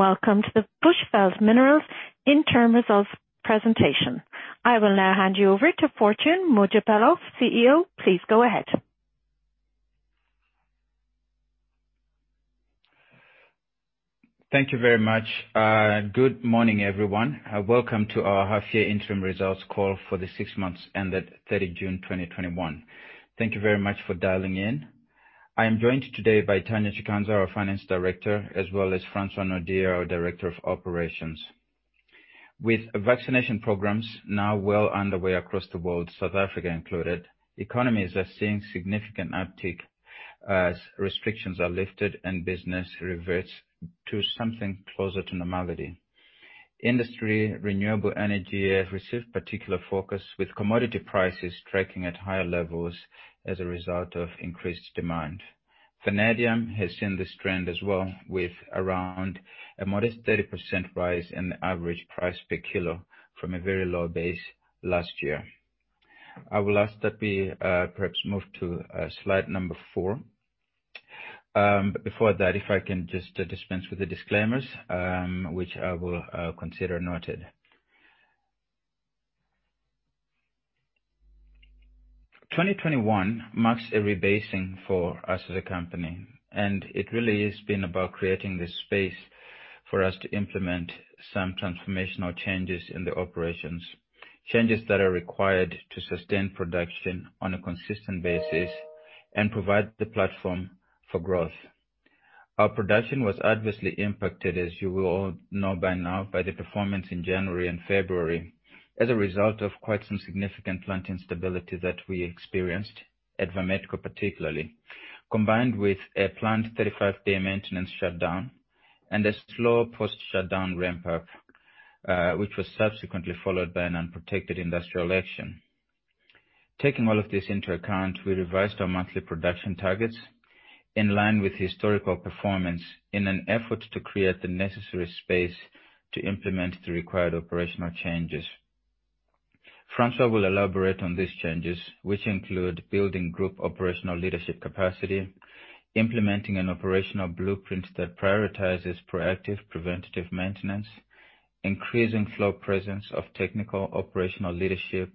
Welcome to the Bushveld Minerals Interim Results Presentation. I will now hand you over to Fortune Mojapelo, CEO. Please go ahead. Thank you very much. Good morning, everyone. Welcome to our half-year interim results call for the six months ended June 30, 2021. Thank you very much for dialing in. I am joined today by Tanya Chikanza, our Finance Director, as well as Francois Naude, our Director of Operations. With vaccination programs now well underway across the world, South Africa included, economies are seeing significant uptick as restrictions are lifted and business reverts to something closer to normality. Industry renewable energy has received particular focus with commodity prices tracking at higher levels as a result of increased demand. Vanadium has seen this trend as well, with around a modest 30% rise in the average price per kilo from a very low base last year. I will ask that we perhaps move to slide number four. Before that, if I can just dispense with the disclaimers, which I will consider noted. 2021 marks a rebasing for us as a company, and it really has been about creating the space for us to implement some transformational changes in the operations. Changes that are required to sustain production on a consistent basis and provide the platform for growth. Our production was adversely impacted, as you will all know by now, by the performance in January and February as a result of quite some significant plant instability that we experienced at Vametco particularly, combined with a planned 35-day maintenance shutdown and a slow post-shutdown ramp-up, which was subsequently followed by an unprotected industrial action. Taking all of this into account, we revised our monthly production targets in line with historical performance in an effort to create the necessary space to implement the required operational changes. Francois will elaborate on these changes, which include building group operational leadership capacity, implementing an operational blueprint that prioritizes proactive preventative maintenance, increasing floor presence of technical operational leadership,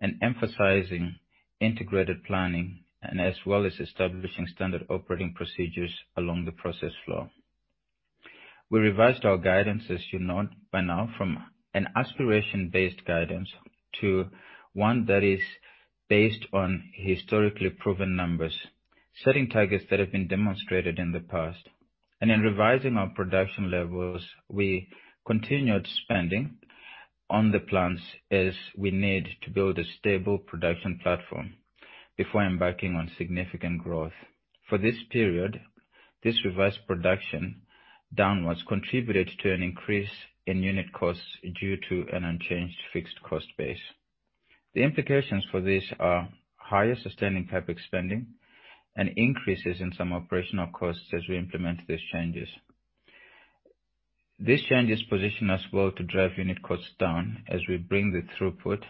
and emphasizing integrated planning, as well as establishing standard operating procedures along the process floor. We revised our guidance, as you know by now, from an aspiration-based guidance to one that is based on historically proven numbers, setting targets that have been demonstrated in the past. In revising our production levels, we continued spending on the plans as we need to build a stable production platform before embarking on significant growth. For this period, this revised production downwards contributed to an increase in unit costs due to an unchanged fixed cost base. The implications for this are higher sustaining CapEx spending and increases in some operational costs as we implement these changes. These changes position us well to drive unit costs down as we bring the throughput,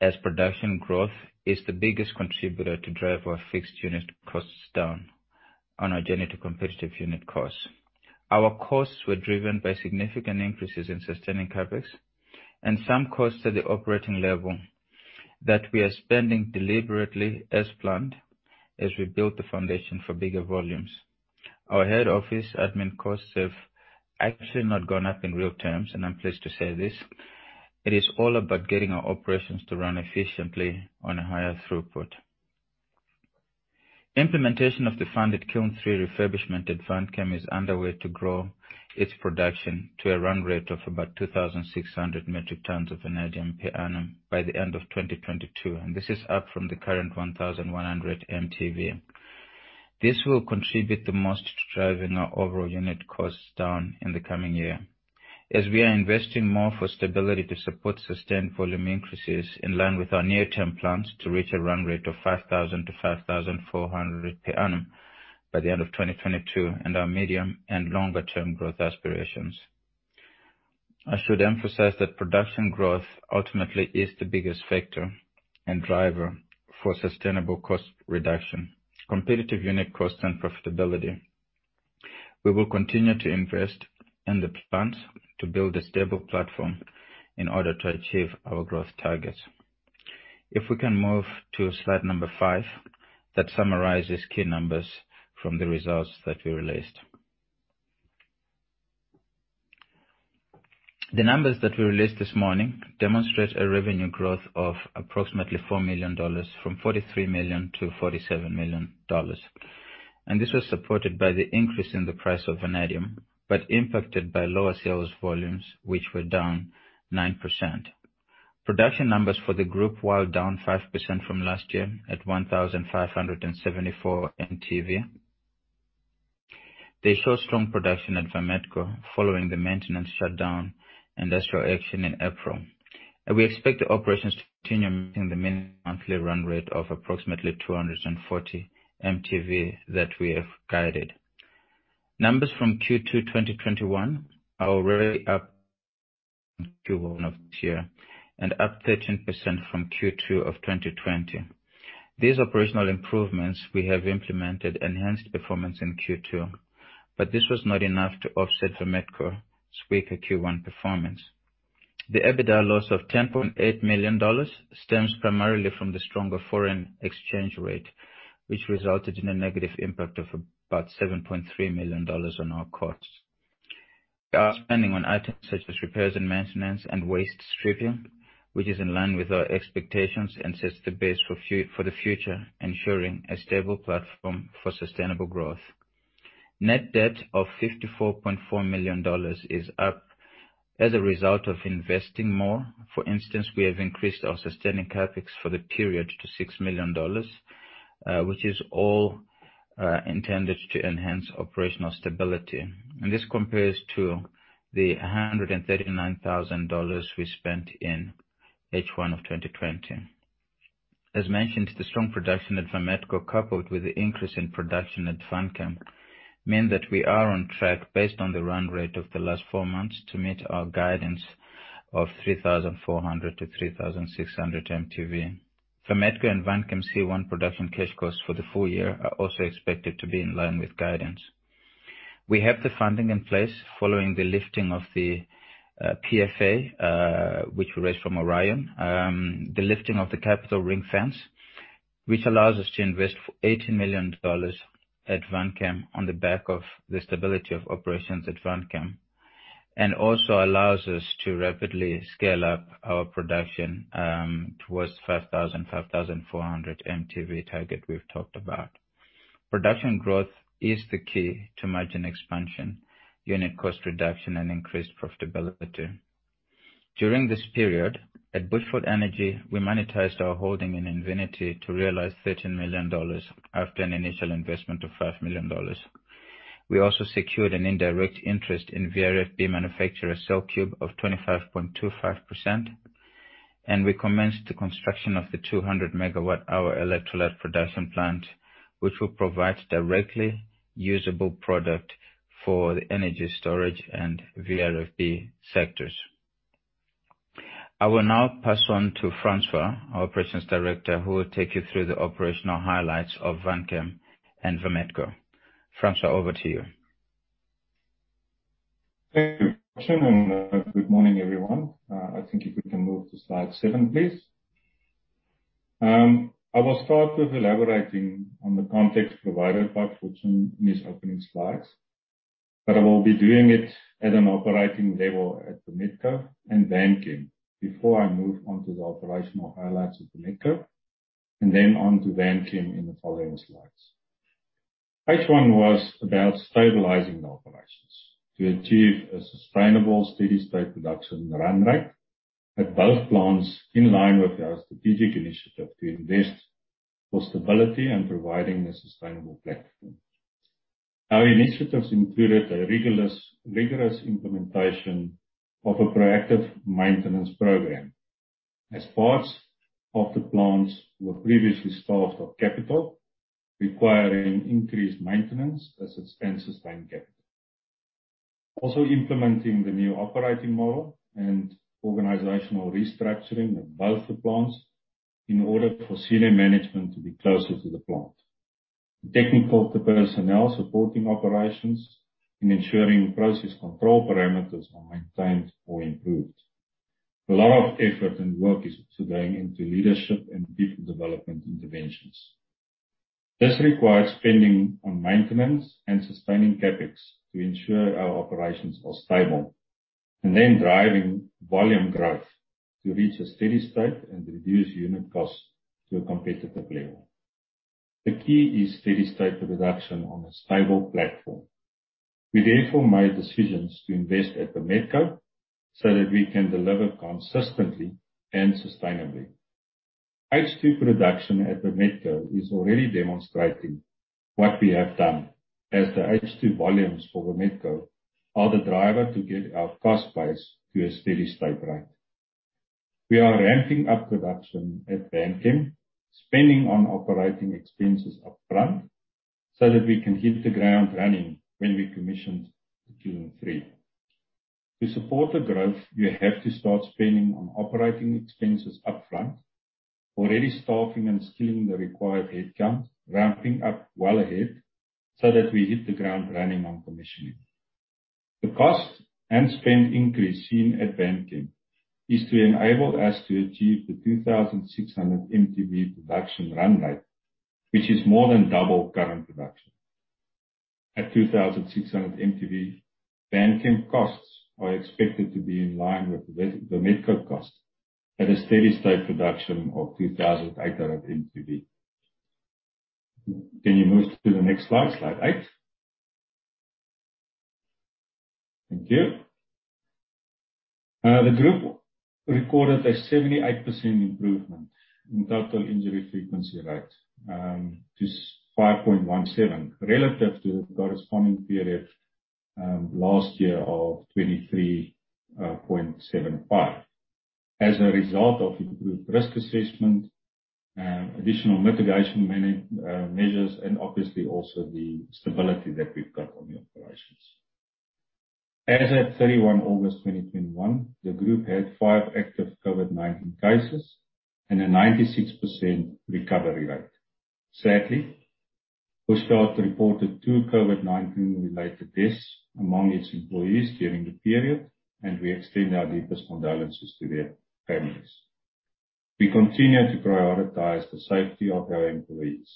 as production growth is the biggest contributor to drive our fixed unit costs down on our journey to competitive unit costs. Our costs were driven by significant increases in sustaining CapEx and some costs at the operating level that we are spending deliberately as planned as we build the foundation for bigger volumes. Our head office admin costs have actually not gone up in real terms, and I'm pleased to say this. It is all about getting our operations to run efficiently on a higher throughput. Implementation of the funded Kiln three refurbishment at Vanchem is underway to grow its production to a run rate of about 2,600 metric tons of vanadium per annum by the end of 2022, and this is up from the current 1,100 mtV. This will contribute the most to driving our overall unit costs down in the coming year, as we are investing more for stability to support sustained volume increases in line with our near-term plans to reach a run rate of 5,000-5,400 per annum by the end of 2022 and our medium and longer-term growth aspirations. I should emphasize that production growth ultimately is the biggest factor and driver for sustainable cost reduction, competitive unit cost, and profitability. We will continue to invest in the plans to build a stable platform in order to achieve our growth targets. If we can move to slide number five, that summarizes key numbers from the results that we released. The numbers that we released this morning demonstrate a revenue growth of approximately $4 million, from $43 million to $47 million. This was supported by the increase in the price of vanadium, but impacted by lower sales volumes, which were down 9%. Production numbers for the group were down 5% from last year at 1,574 mtV. They show strong production at Vametco following the maintenance shutdown industrial action in April. We expect operations to continue in the monthly run rate of approximately 240 mtV that we have guided. Numbers from Q2 2021 are already up from Q1 of this year and up 13% from Q2 of 2020. These operational improvements we have implemented enhanced performance in Q2, but this was not enough to offset Vametco's weaker Q1 performance. The EBITDA loss of $10.8 million stems primarily from the stronger foreign exchange rate, which resulted in a negative impact of about $7.3 million on our costs. Our spending on items such as repairs and maintenance and waste stripping, which is in line with our expectations and sets the base for the future, ensuring a stable platform for sustainable growth. Net debt of $54.4 million is up as a result of investing more. For instance, we have increased our sustaining CapEx for the period to $6 million, which is all intended to enhance operational stability. This compares to the $139,000 we spent in H1 of 2020. As mentioned, the strong production at Vametco, coupled with the increase in production at Vanchem, mean that we are on track based on the run rate of the last four months to meet our guidance of 3,400 mtV-3,600 mtV. Vametco and Vanchem C1 production cash costs for the full year are also expected to be in line with guidance. We have the funding in place following the lifting of the PFA, which we raised from Orion. The lifting of the capital ring-fence, which allows us to invest $18 million at Vanchem on the back of the stability of operations at Vanchem, also allows us to rapidly scale up our production towards 5,000 mtV-5,400 mtV target we've talked about. Production growth is the key to margin expansion, unit cost reduction, and increased profitability. During this period, at Bushveld Energy, we monetized our holding in Invinity to realize $13 million after an initial investment of $5 million. We also secured an indirect interest in VRFB manufacturer CellCube of 25.25%, we commenced the construction of the 200 MWh electrolyte production plant, which will provide directly usable product for the energy storage and VRFB sectors. I will now pass on to Francois, our operations director, who will take you through the operational highlights of Vanchem and Vametco. Francois, over to you. Thank you, Fortune. Good morning, everyone. I think if we can move to slide seven, please. I will start with elaborating on the context provided by Fortune in his opening slides, but I will be doing it at an operating level at Vametco and Vanchem before I move on to the operational highlights of Vametco, and then on to Vanchem in the following slides. H1 was about stabilizing the operations to achieve a sustainable steady state production run rate at both plants, in line with our strategic initiative to invest for stability and providing a sustainable platform. Our initiatives included a rigorous implementation of a proactive maintenance program as parts of the plants were previously starved of capital, requiring increased maintenance as it's been sustained capital. Also implementing the new operating model and organizational restructuring of both the plants in order for senior management to be closer to the plant. Technical personnel supporting operations in ensuring process control parameters are maintained or improved. A lot of effort and work is also going into leadership and people development interventions. This requires spending on maintenance and sustaining CapEx to ensure our operations are stable, and then driving volume growth to reach a steady state and reduce unit cost to a competitive level. The key is steady state production on a stable platform. We therefore made decisions to invest at Vametco so that we can deliver consistently and sustainably. H2 production at Vametco is already demonstrating what we have done, as the H2 volumes for Vametco are the driver to get our cost base to a steady state rate. We are ramping up production at Vanchem, spending on operating expenses up front so that we can hit the ground running when we commission in Q3. To support the growth, we have to start spending on operating expenses up front, already staffing and skilling the required headcount, ramping up well ahead so that we hit the ground running on commissioning. The cost and spend increase seen at Vanchem is to enable us to achieve the 2,600 mtV production run rate, which is more than double current production. At 2,600 mtV, Vanchem costs are expected to be in line with the Vametco cost at a steady state production of 2,800 mtV. Can you move to the next slide eight? Thank you. The group recorded a 78% improvement in total injury frequency rate, to 5.17 relative to the corresponding period last year of 23.75, as a result of improved risk assessment, additional mitigation measures, and obviously also the stability that we've got on the operations. As of August 31, 2021, the group had five active COVID-19 cases and a 96% recovery rate. Sadly, Bushveld reported two COVID-19 related deaths among its employees during the period, and we extend our deepest condolences to their families. We continue to prioritize the safety of our employees.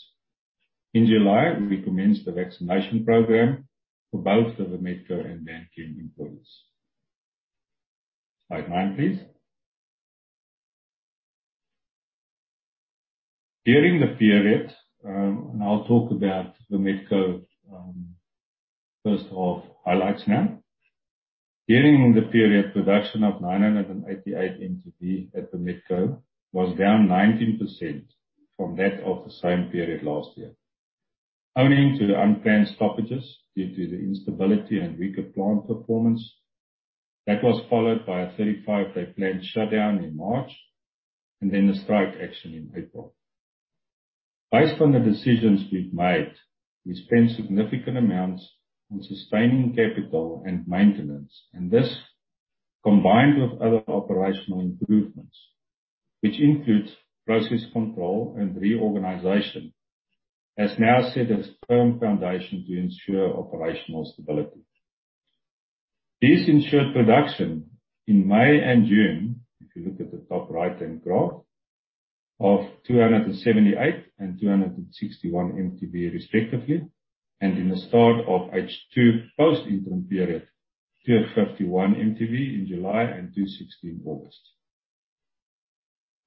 In July, we commenced the vaccination program for both the Vametco and Vanchem employees. Slide nine, please. During the period, I'll talk about the Vametco first half highlights now. During the period, production of 988 mtV at Vametco was down 19% from that of the same period last year, owing to the unplanned stoppages due to the instability and weaker plant performance. That was followed by a 35-day planned shutdown in March, and then a strike action in April. Based on the decisions we've made, we spent significant amounts on sustaining capital and maintenance. This, combined with other operational improvements, which includes process control and reorganization, has now set a firm foundation to ensure operational stability. This ensured production in May and June, if you look at the top right-hand graph, of 278 mtV and 261 mtV respectively. In the start of H2 post-interim period, 251 mtV in July and 260 in August.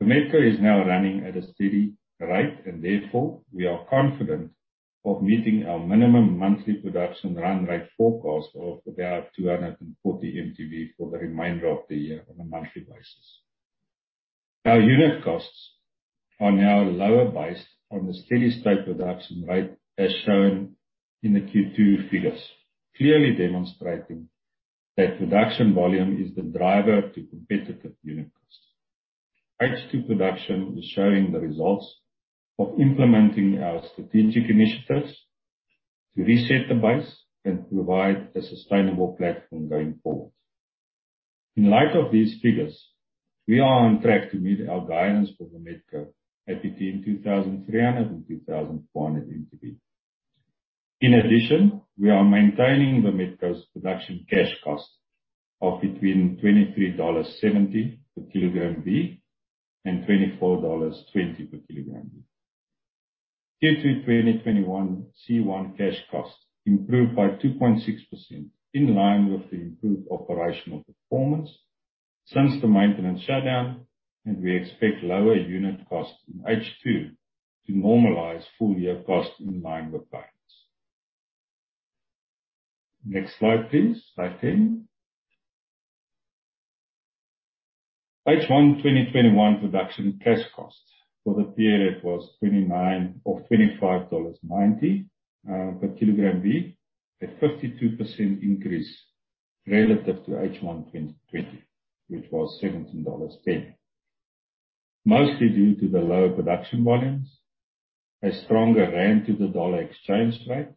Vametco is now running at a steady rate, and therefore we are confident of meeting our minimum monthly production run rate forecast of about 240 mtV for the remainder of the year on a monthly basis. Our unit costs are now lower based on the steady state production rate, as shown in the Q2 figures, clearly demonstrating that production volume is the driver to competitive unit costs. H2 production is showing the results of implementing our strategic initiatives to reset the base and provide a sustainable platform going forward. In light of these figures, we are on track to meet our guidance for Vametco at between 2,300 mtV and 2,400 mtV. In addition, we are maintaining Vametco's production cash cost of between $23.70 per kgV and $24.20 per kilogram. Q3 2021 C1 cash costs improved by 2.6% in line with the improved operational performance since the maintenance shutdown, and we expect lower unit costs in H2 to normalize full year costs in line with guidance. Next slide, please. Slide 10. H1 2021 production cash costs for the period was $25.90 per kgV, a 52% increase relative to H1 2020, which was $17.10, mostly due to the lower production volumes, a stronger rand to the dollar exchange rate,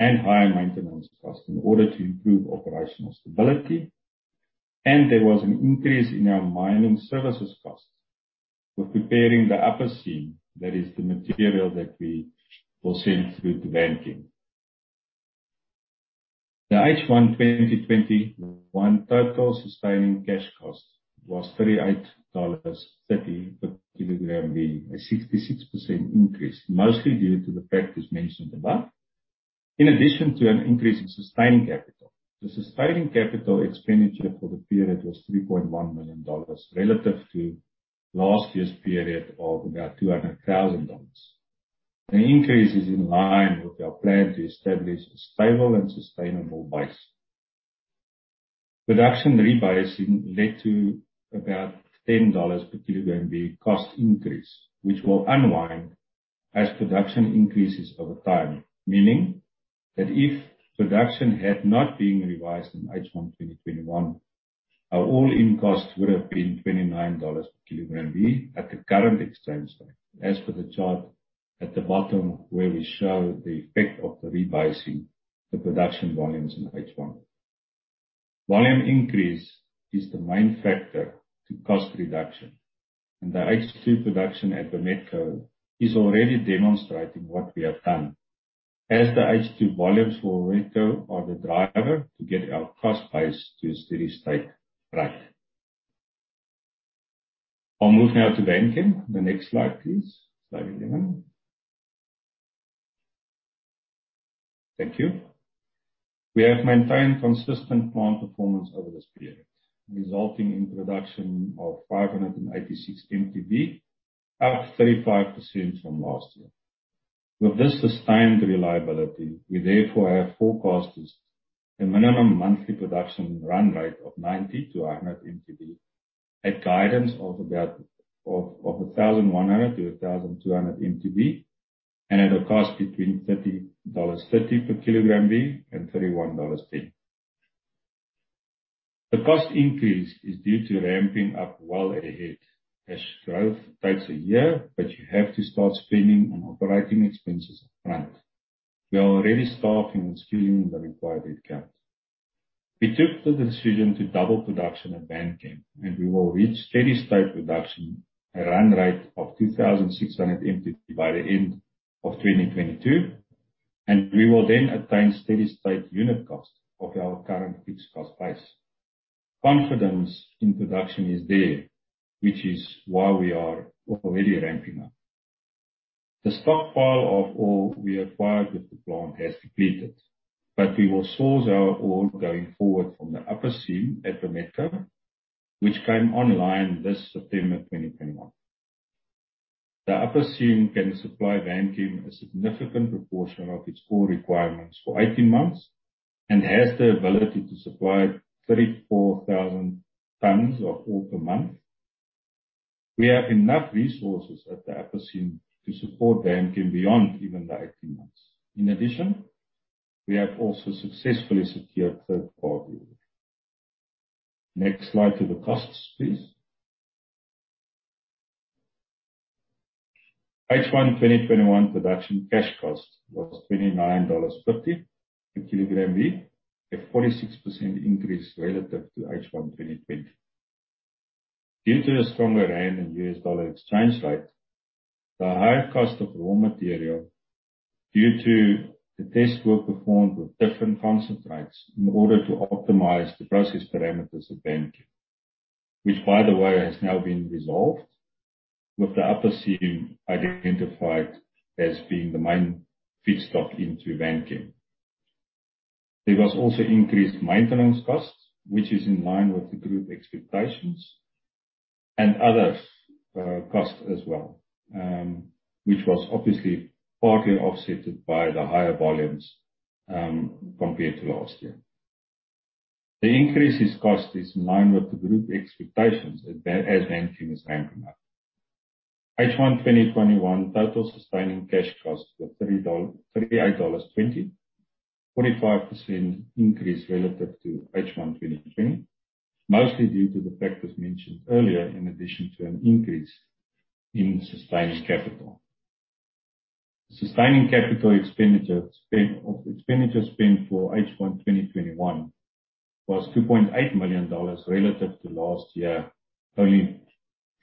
and higher maintenance costs in order to improve operational stability. There was an increase in our mining services costs for preparing the Upper Seam. That is the material that we will send through to Vanchem. The H1 2021 total sustaining cash cost was $38.30 per kgV, a 66% increase, mostly due to the factors mentioned above, in addition to an increase in sustaining capital. The sustaining capital expenditure for the period was $3.1 million, relative to last year's period of about $200,000. The increase is in line with our plan to establish a stable and sustainable base. Production rebasing led to about $10 per kgV cost increase, which will unwind as production increases over time, meaning that if production had not been revised in H1 2021, our all-in costs would have been $29 per kgV at the current exchange rate. As for the chart at the bottom where we show the effect of the rebasing, the production volumes in H1. Volume increase is the main factor to cost reduction, and the H2 production at Vametco is already demonstrating what we have done, as the H2 volumes for Vametco are the driver to get our cost base to a steady state rate. I'll move now to Vanchem. The next slide, please. Slide 11. Thank you. We have maintained consistent plant performance over this period, resulting in production of 586 mtV, up 35% from last year. With this sustained reliability, we therefore have forecasted a minimum monthly production run rate of 90 mtV-100 mtV, a guidance of 1,100 mtV-1,200 mtV. At a cost between $30.30 per kgV and $31.10. The cost increase is due to ramping up well ahead. Cash growth takes a year, but you have to start spending on operating expenses upfront. We are already staffing and skilling the required headcounts. We took the decision to double production at Vanchem, and we will reach steady state production, a run rate of 2,600 mtV by the end of 2022, and we will then attain steady state unit cost of our current fixed cost base. Confidence in production is there, which is why we are already ramping up. The stockpile of ore we acquired with the plant has depleted, but we will source our ore going forward from the Upper Seam at the Vametco, which came online this September 2021. The Upper Seam can supply Vanchem a significant proportion of its ore requirements for 18 months and has the ability to supply 34,000 tons of ore per month. We have enough resources at the Upper Seam to support Vanchem beyond even the 18 months. In addition, we have also successfully secured third party ore. Next slide to the costs, please. H1 2021 production cash cost was $29.50 per kgV, a 46% increase relative to H1 2020. Due to the stronger rand and U.S. dollar exchange rate, the higher cost of raw material due to the test work performed with different concentrates in order to optimize the process parameters at Vanchem, which, by the way, has now been resolved with the Upper Seam identified as being the main feedstock into Vanchem. There was also increased maintenance costs, which is in line with the group expectations and other costs as well, which was obviously partly offset by the higher volumes compared to last year. The increase in cost is in line with the group expectations as Vanchem is ramping up. H1 2021 total sustaining cash costs were $38.20, 45% increase relative to H1 2020, mostly due to the factors mentioned earlier, in addition to an increase in sustaining capital. Sustaining capital expenditure spend for H1 2021 was $2.8 million relative to last year, only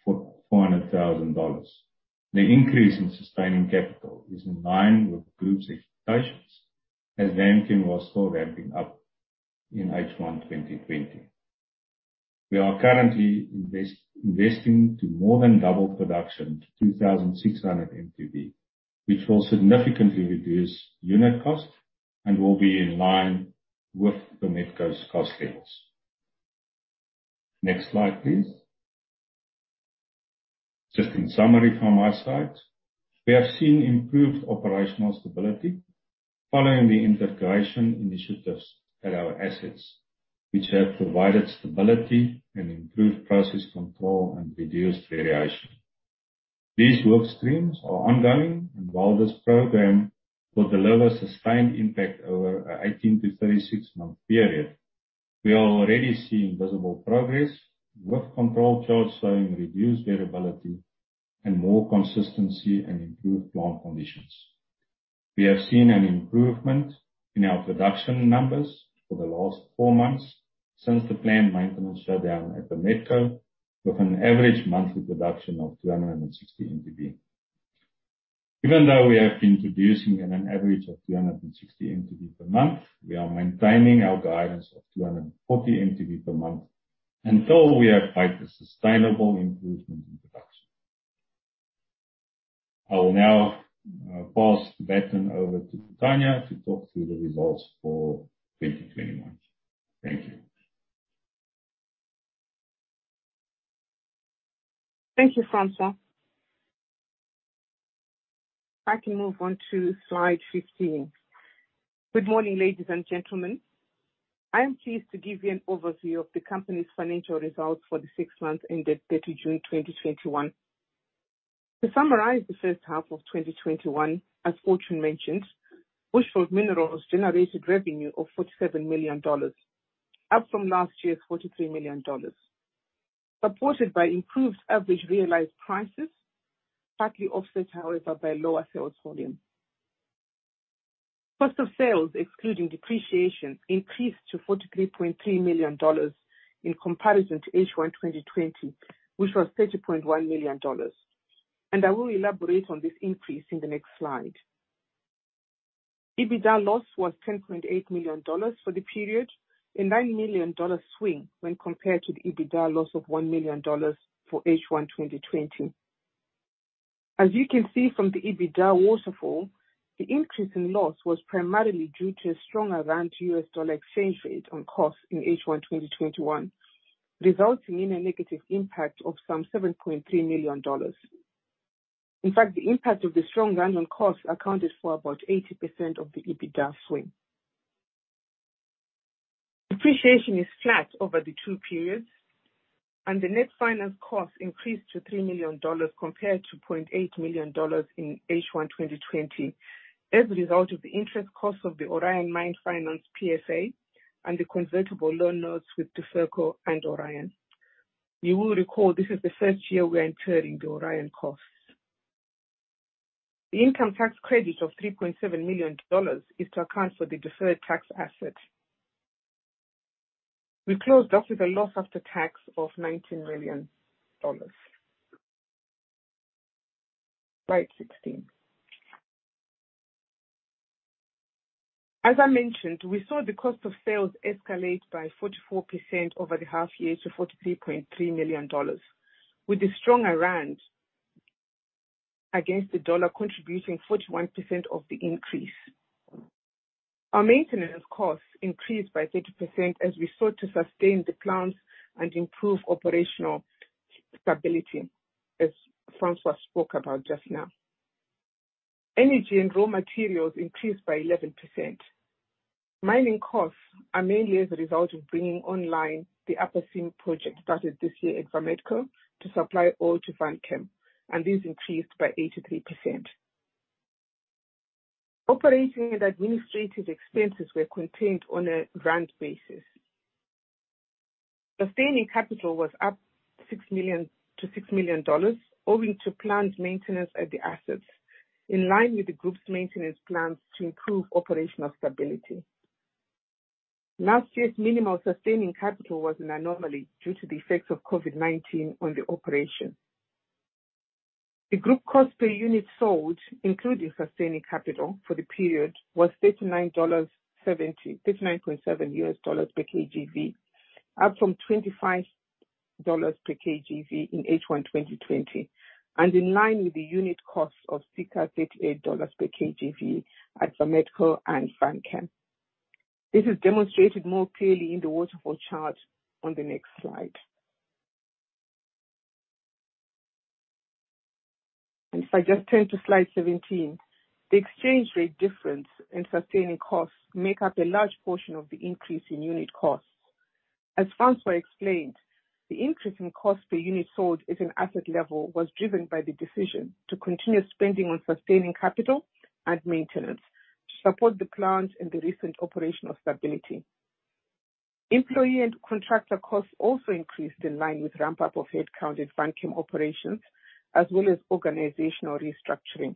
$400,000. The increase in sustaining capital is in line with group's expectations as Vanchem was still ramping up in H1 2020. We are currently investing to more than double production to 2,600 mtV, which will significantly reduce unit cost and will be in line with the Vametco's cost levels. Next slide, please. Just in summary from my side, we have seen improved operational stability following the integration initiatives at our assets, which have provided stability and improved process control and reduced variation. While this program will deliver sustained impact over an 18-36 month period, we are already seeing visible progress with control charts showing reduced variability and more consistency and improved plant conditions. We have seen an improvement in our production numbers for the last four months since the planned maintenance shutdown at the Vametco, with an average monthly production of 260 mtV. Even though we have been producing at an average of 260 mtV per month, we are maintaining our guidance of 240 mtV per month until we have made a sustainable improvement in production. I will now pass the baton over to Tanya to talk through the results for 2021. Thank you. Thank you, Francois. I can move on to slide 15. Good morning, ladies and gentlemen. I am pleased to give you an overview of the company's financial results for the six months ended June 30, 2021. To summarize the first half of 2021, as Fortune mentioned, Bushveld Minerals generated revenue of $47 million, up from last year's $43 million. Supported by improved average realized prices, partly offset, however, by lower sales volume. Cost of sales, excluding depreciation, increased to $43.3 million in comparison to H1 2020, which was $30.1 million. I will elaborate on this increase in the next slide. EBITDA loss was $10.8 million for the period, a $9 million swing when compared to the EBITDA loss of $1 million for H1 2020. As you can see from the EBITDA waterfall, the increase in loss was primarily due to a stronger rand to U.S. dollar exchange rate on costs in H1 2021, resulting in a negative impact of some $7.3 million. In fact, the impact of the strong rand on costs accounted for about 80% of the EBITDA swing. Depreciation is flat over the two periods, and the net finance cost increased to $3 million compared to $0.8 million in H1 2020 as a result of the interest cost of the Orion Mine Finance PFA and the convertible loan notes with Duferco and Orion. You will recall, this is the first year we are incurring the Orion costs. The income tax credit of $3.7 million is to account for the deferred tax asset. We closed off with a loss after tax of $19 million. Slide 16. As I mentioned, we saw the cost of sales escalate by 44% over the half year to $43.3 million, with the strong rand against the dollar contributing 41% of the increase. Our maintenance costs increased by 30% as we sought to sustain the plants and improve operational stability, as Francois spoke about just now. Energy and raw materials increased by 11%. Mining costs are mainly as a result of bringing online the Upper Seam Project started this year at Vametco to supply ore to Vanchem, and these increased by 83%. Operating and administrative expenses were contained on a rand basis. Sustaining capital was up to $6 million owing to planned maintenance at the assets, in line with the group's maintenance plans to improve operational stability. Last year's minimal sustaining capital was an anomaly due to the effects of COVID-19 on the operation. The group cost per unit sold, including sustaining capital for the period, was $39.70 per kgV, up from $25 per kgV in H1 2020, and in line with the unit cost of $38 per kgV at Vametco and Vanchem. This is demonstrated more clearly in the waterfall chart on the next slide. If I just turn to slide 17, the exchange rate difference in sustaining costs make up a large portion of the increase in unit costs. As Francois explained, the increase in cost per unit sold at an asset level was driven by the decision to continue spending on sustaining capital and maintenance to support the plans and the recent operational stability. Employee and contractor costs also increased in line with ramp up of headcount in Vanchem operations, as well as organizational restructuring.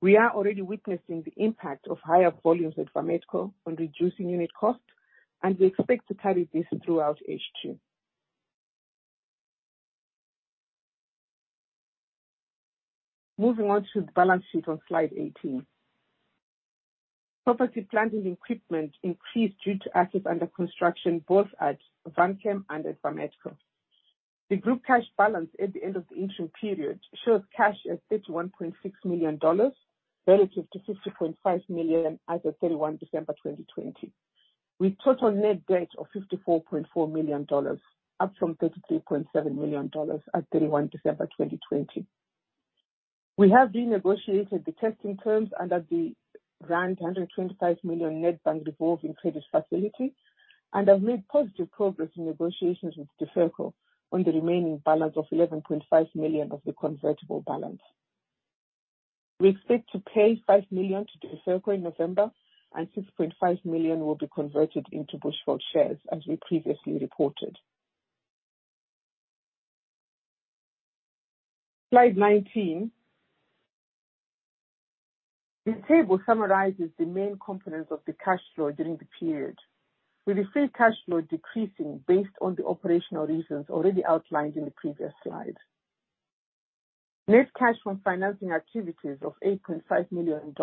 We are already witnessing the impact of higher volumes at Vametco on reducing unit cost, and we expect to carry this throughout H2. Moving on to the balance sheet on slide 18. Property, plant, and equipment increased due to assets under construction both at Vanchem and at Vametco. The group cash balance at the end of the interim period shows cash at $31.6 million relative to $50.5 million at December 31, 2020, with total net debt of $54.4 million, up from $33.7 million at December 31, 2020. We have renegotiated the testing terms under the 125 million net bank revolving credit facility and have made positive progress in negotiations with Duferco on the remaining balance of $11.5 million of the convertible balance. We expect to pay $5 million to Duferco in November and $6.5 million will be converted into Bushveld shares as we previously reported. Slide 19. The table summarizes the main components of the cash flow during the period, with the free cash flow decreasing based on the operational reasons already outlined in the previous slide. Net cash from financing activities of $8.5 million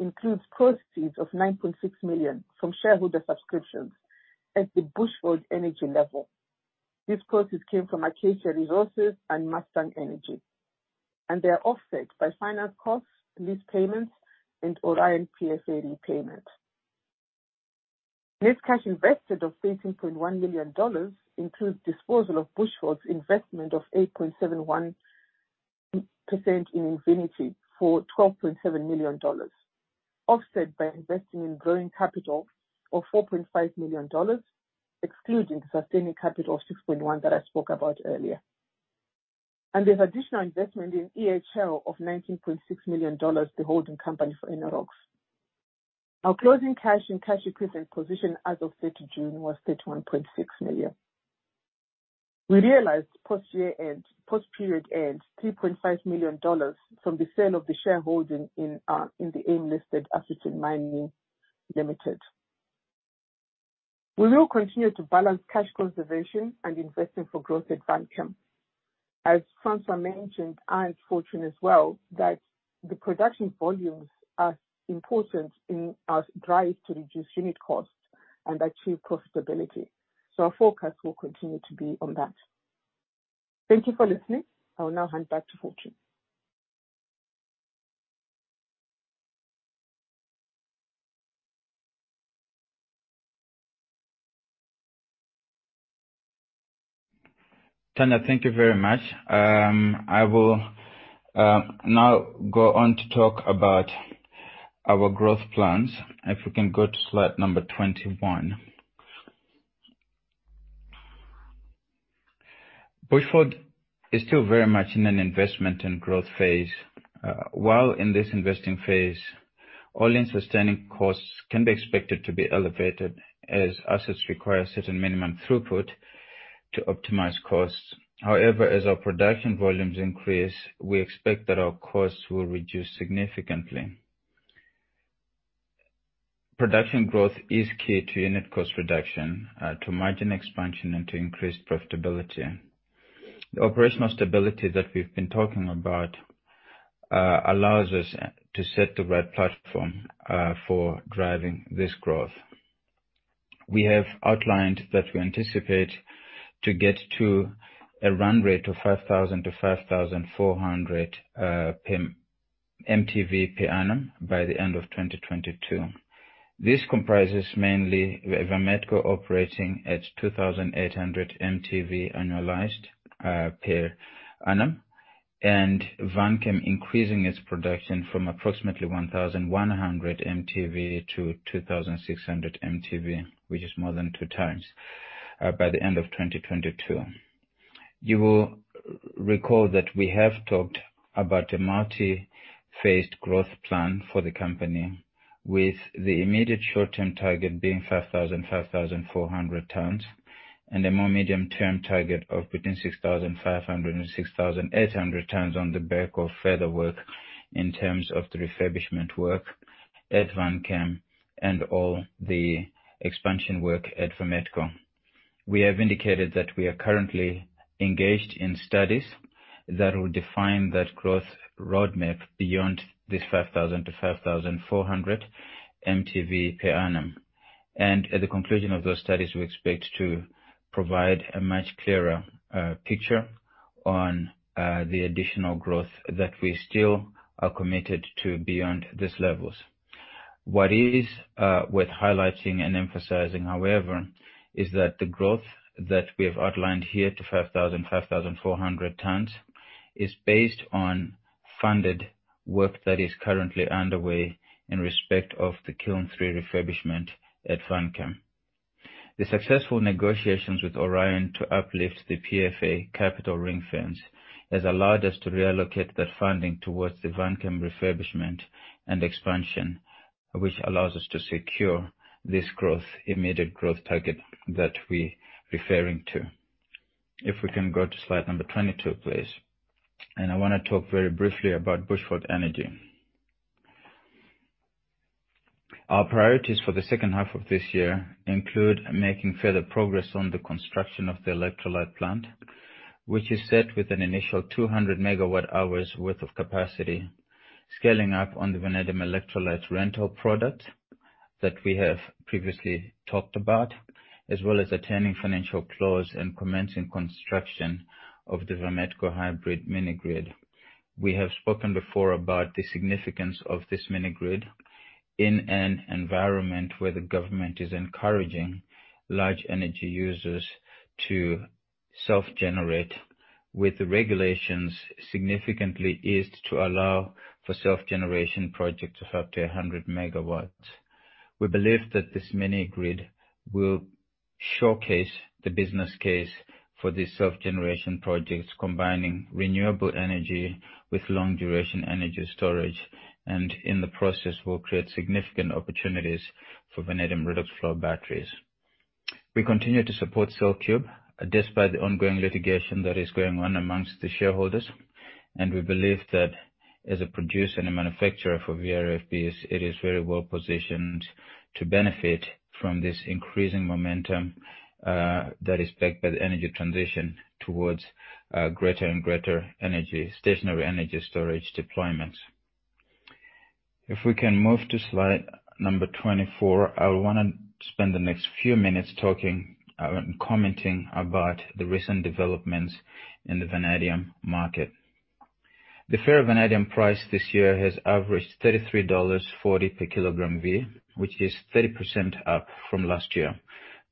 includes proceeds of $9.6 million from shareholder subscriptions at the Bushveld Energy level. These proceeds came from Acacia Resources and Mustang Energy. They are offset by finance costs, lease payments, and Orion PFA repayment. Net cash invested of $13.1 million includes disposal of Bushveld's investment of 8.71% in Invinity for $12.7 million, offset by investing in growing capital of $4.5 million, excluding the sustaining capital of $6.1 million that I spoke about earlier. There's additional investment in EHL of $19.6 million, the holding company for Enerox. Our closing cash and cash equivalent position as of June 30 was $31.6 million. We realized post-period end, $3.5 million from the sale of the shareholding in the AIM-listed AfriTin Mining Limited. We will continue to balance cash conservation and investing for growth at Vanchem. As Francois mentioned, and Fortune as well, that the production volumes are important in our drive to reduce unit costs and achieve profitability. Our focus will continue to be on that. Thank you for listening. I will now hand back to Fortune. Tanya, thank you very much. I will now go on to talk about our growth plans. If we can go to slide number 21. Bushveld is still very much in an investment and growth phase. While in this investing phase, all in sustaining costs can be expected to be elevated as assets require a certain minimum throughput to optimize costs. As our production volumes increase, we expect that our costs will reduce significantly. Production growth is key to unit cost reduction, to margin expansion, and to increase profitability. The operational stability that we've been talking about allows us to set the right platform for driving this growth. We have outlined that we anticipate to get to a run rate of 5,000 mtV-5,400 mtV per annum by the end of 2022. This comprises mainly of Vametco operating at 2,800 mtV annualized, per annum, and Vanchem increasing its production from approximately 1,100 mtV-2,600 mtV, which is more than 2x, by the end of 2022. You will recall that we have talked about a multi-phased growth plan for the company, with the immediate short-term target being 5,000 tons-5,400 tons, and a more medium-term target of between 6,500 tons-6,800 tons on the back of further work in terms of the refurbishment work at Vanchem and all the expansion work at Vametco. We have indicated that we are currently engaged in studies that will define that growth roadmap beyond this 5,000 mtV-5,400 mtV per annum. At the conclusion of those studies, we expect to provide a much clearer picture on the additional growth that we still are committed to beyond these levels. What is worth highlighting and emphasizing, however, is that the growth that we have outlined here to 5,000 tons, 5,400 tons is based on funded work that is currently underway in respect of the Kiln three refurbishment at Vanchem. The successful negotiations with Orion to uplift the PFA capital ring-fence has allowed us to reallocate that funding towards the Vanchem refurbishment and expansion, which allows us to secure this immediate growth target that we're referring to. If we can go to slide number 22, please. I want to talk very briefly about Bushveld Energy. Our priorities for the second half of this year include making further progress on the construction of the Electrolyte Plant, which is set with an initial 200 MWh worth of capacity, scaling up on the vanadium electrolyte rental product that we have previously talked about, as well as attaining financial close and commencing construction of the Vametco hybrid mini-grid. We have spoken before about the significance of this mini-grid in an environment where the government is encouraging large energy users to self-generate with the regulations significantly eased to allow for self-generation projects of up to 100 MW. We believe that this mini-grid will showcase the business case for these self-generation projects, combining renewable energy with long-duration energy storage, and in the process will create significant opportunities for vanadium redox flow batteries. We continue to support CellCube despite the ongoing litigation that is going on amongst the shareholders. We believe that as a producer and a manufacturer for VRFBs, it is very well positioned to benefit from this increasing momentum, that is backed by the energy transition towards greater and greater stationary energy storage deployments. If we can move to slide number 24, I want to spend the next few minutes talking and commenting about the recent developments in the vanadium market. The ferrovanadium price this year has averaged $33.40 per kgV, which is 30% up from last year.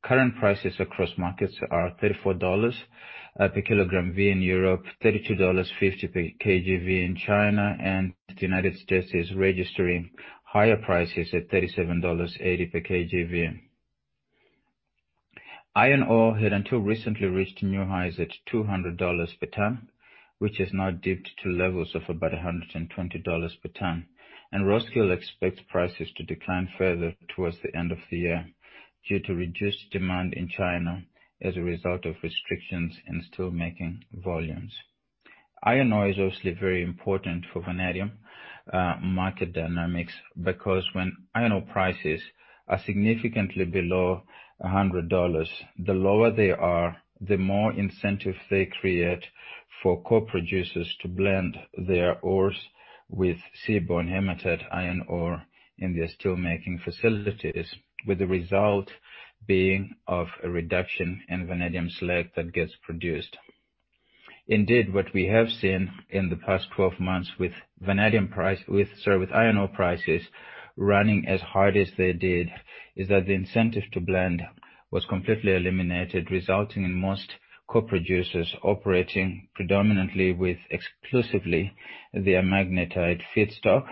Current prices across markets are $34 per kgV in Europe, $32.50 per kgV in China. The United States is registering higher prices at $37.80 per kgV. Iron ore had until recently reached new highs at $200 per ton, which has now dipped to levels of about $120 per ton. Roskill expects prices to decline further towards the end of the year due to reduced demand in China as a result of restrictions in steelmaking volumes. Iron ore is obviously very important for vanadium market dynamics because when iron ore prices are significantly below $100, the lower they are, the more incentive they create for co-producers to blend their ores with seaborne hematite iron ore in their steelmaking facilities, with the result being of a reduction in vanadium slag that gets produced. Indeed, what we have seen in the past 12 months with iron ore prices running as hard as they did, is that the incentive to blend was completely eliminated, resulting in most co-producers operating predominantly with exclusively their magnetite feedstock.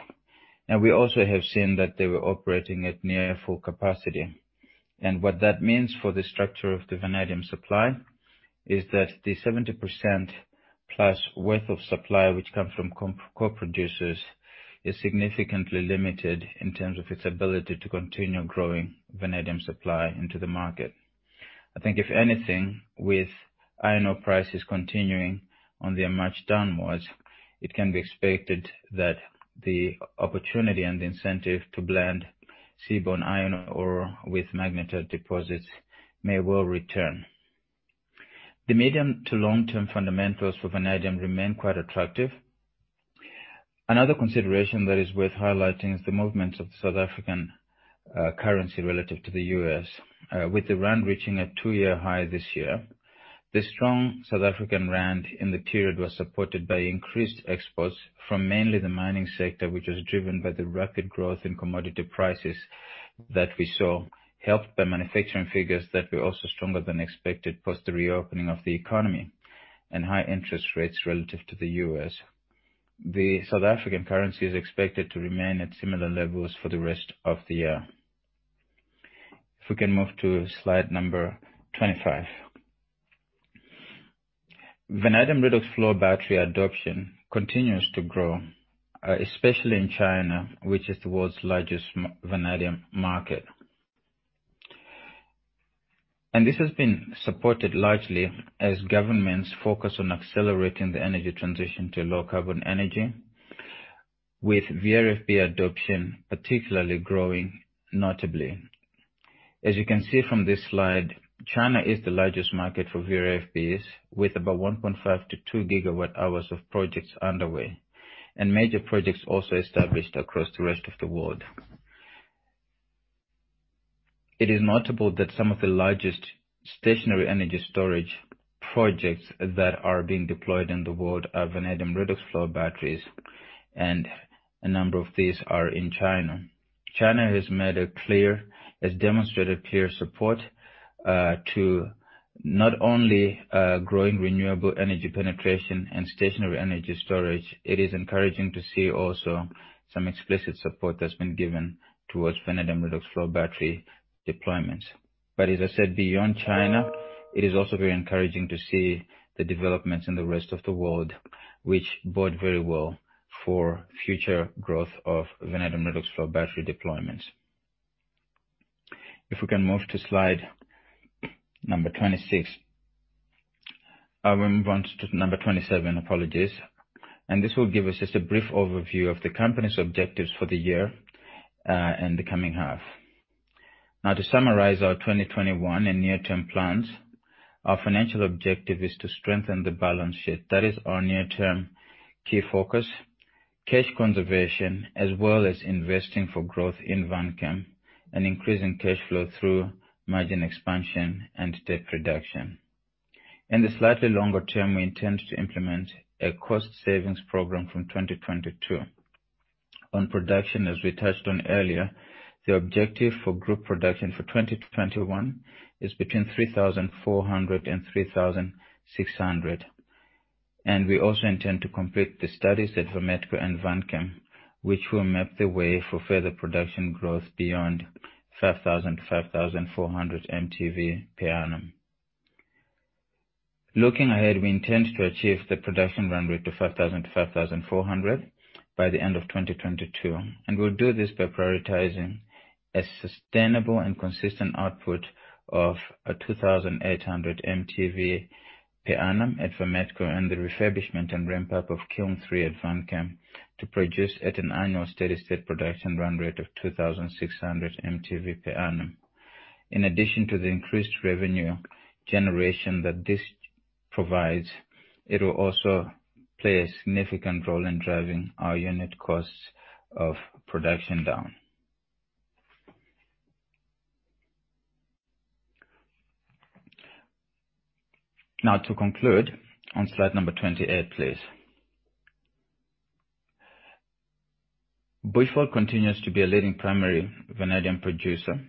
We also have seen that they were operating at near full capacity. What that means for the structure of the vanadium supply is that the 70%+ worth of supply which comes from co-producers is significantly limited in terms of its ability to continue growing vanadium supply into the market. I think if anything, with iron ore prices continuing on their march downwards, it can be expected that the opportunity and the incentive to blend seaborne iron ore with magnetite deposits may well return. The medium to long-term fundamentals for vanadium remain quite attractive. Another consideration that is worth highlighting is the movement of the South African currency relative to the U.S., with the rand reaching a two-year high this year. The strong South African rand in the period was supported by increased exports from mainly the mining sector, which was driven by the rapid growth in commodity prices that we saw, helped by manufacturing figures that were also stronger than expected post the reopening of the economy and high interest rates relative to the U.S. The South African currency is expected to remain at similar levels for the rest of the year. If we can move to slide number 25. Vanadium redox flow battery adoption continues to grow, especially in China, which is the world's largest vanadium market. This has been supported largely as governments focus on accelerating the energy transition to low carbon energy, with VRFB adoption particularly growing notably. As you can see from this slide, China is the largest market for VRFBs, with about 1.5 GWh-2 GWh of projects underway, and major projects also established across the rest of the world. It is notable that some of the largest stationary energy storage projects that are being deployed in the world are vanadium redox flow batteries, and a number of these are in China. China has demonstrated clear support, to not only growing renewable energy penetration and stationary energy storage, it is encouraging to see also some explicit support that's been given towards vanadium redox flow battery deployments. As I said, beyond China, it is also very encouraging to see the developments in the rest of the world, which bode very well for future growth of vanadium redox flow battery deployments. If we can move to slide number 26. I will move on to number 27. Apologies. This will give us just a brief overview of the company's objectives for the year, and the coming half. To summarize our 2021 and near-term plans, our financial objective is to strengthen the balance sheet. That is our near-term key focus, cash conservation, as well as investing for growth in Vanchem and increasing cash flow through margin expansion and debt reduction. In the slightly longer term, we intend to implement a cost savings program from 2022. On production, as we touched on earlier, the objective for group production for 2021 is between 3,400 and 3,600. We also intend to complete the studies at Vametco and Vanchem, which will map the way for further production growth beyond 5,000 mtV, 5,400 mtV per annum. Looking ahead, we intend to achieve the production run rate to 5,000 mtV-5,400 mtV by the end of 2022. We'll do this by prioritizing a sustainable and consistent output of a 2,800 mtV per annum at Vametco and the refurbishment and ramp-up of Kiln three at Vanchem to produce at an annual steady state production run rate of 2,600 mtV per annum. In addition to the increased revenue generation that this provides, it will also play a significant role in driving our unit costs of production down. Now to conclude on slide number 28, please. Bushveld continues to be a leading primary vanadium producer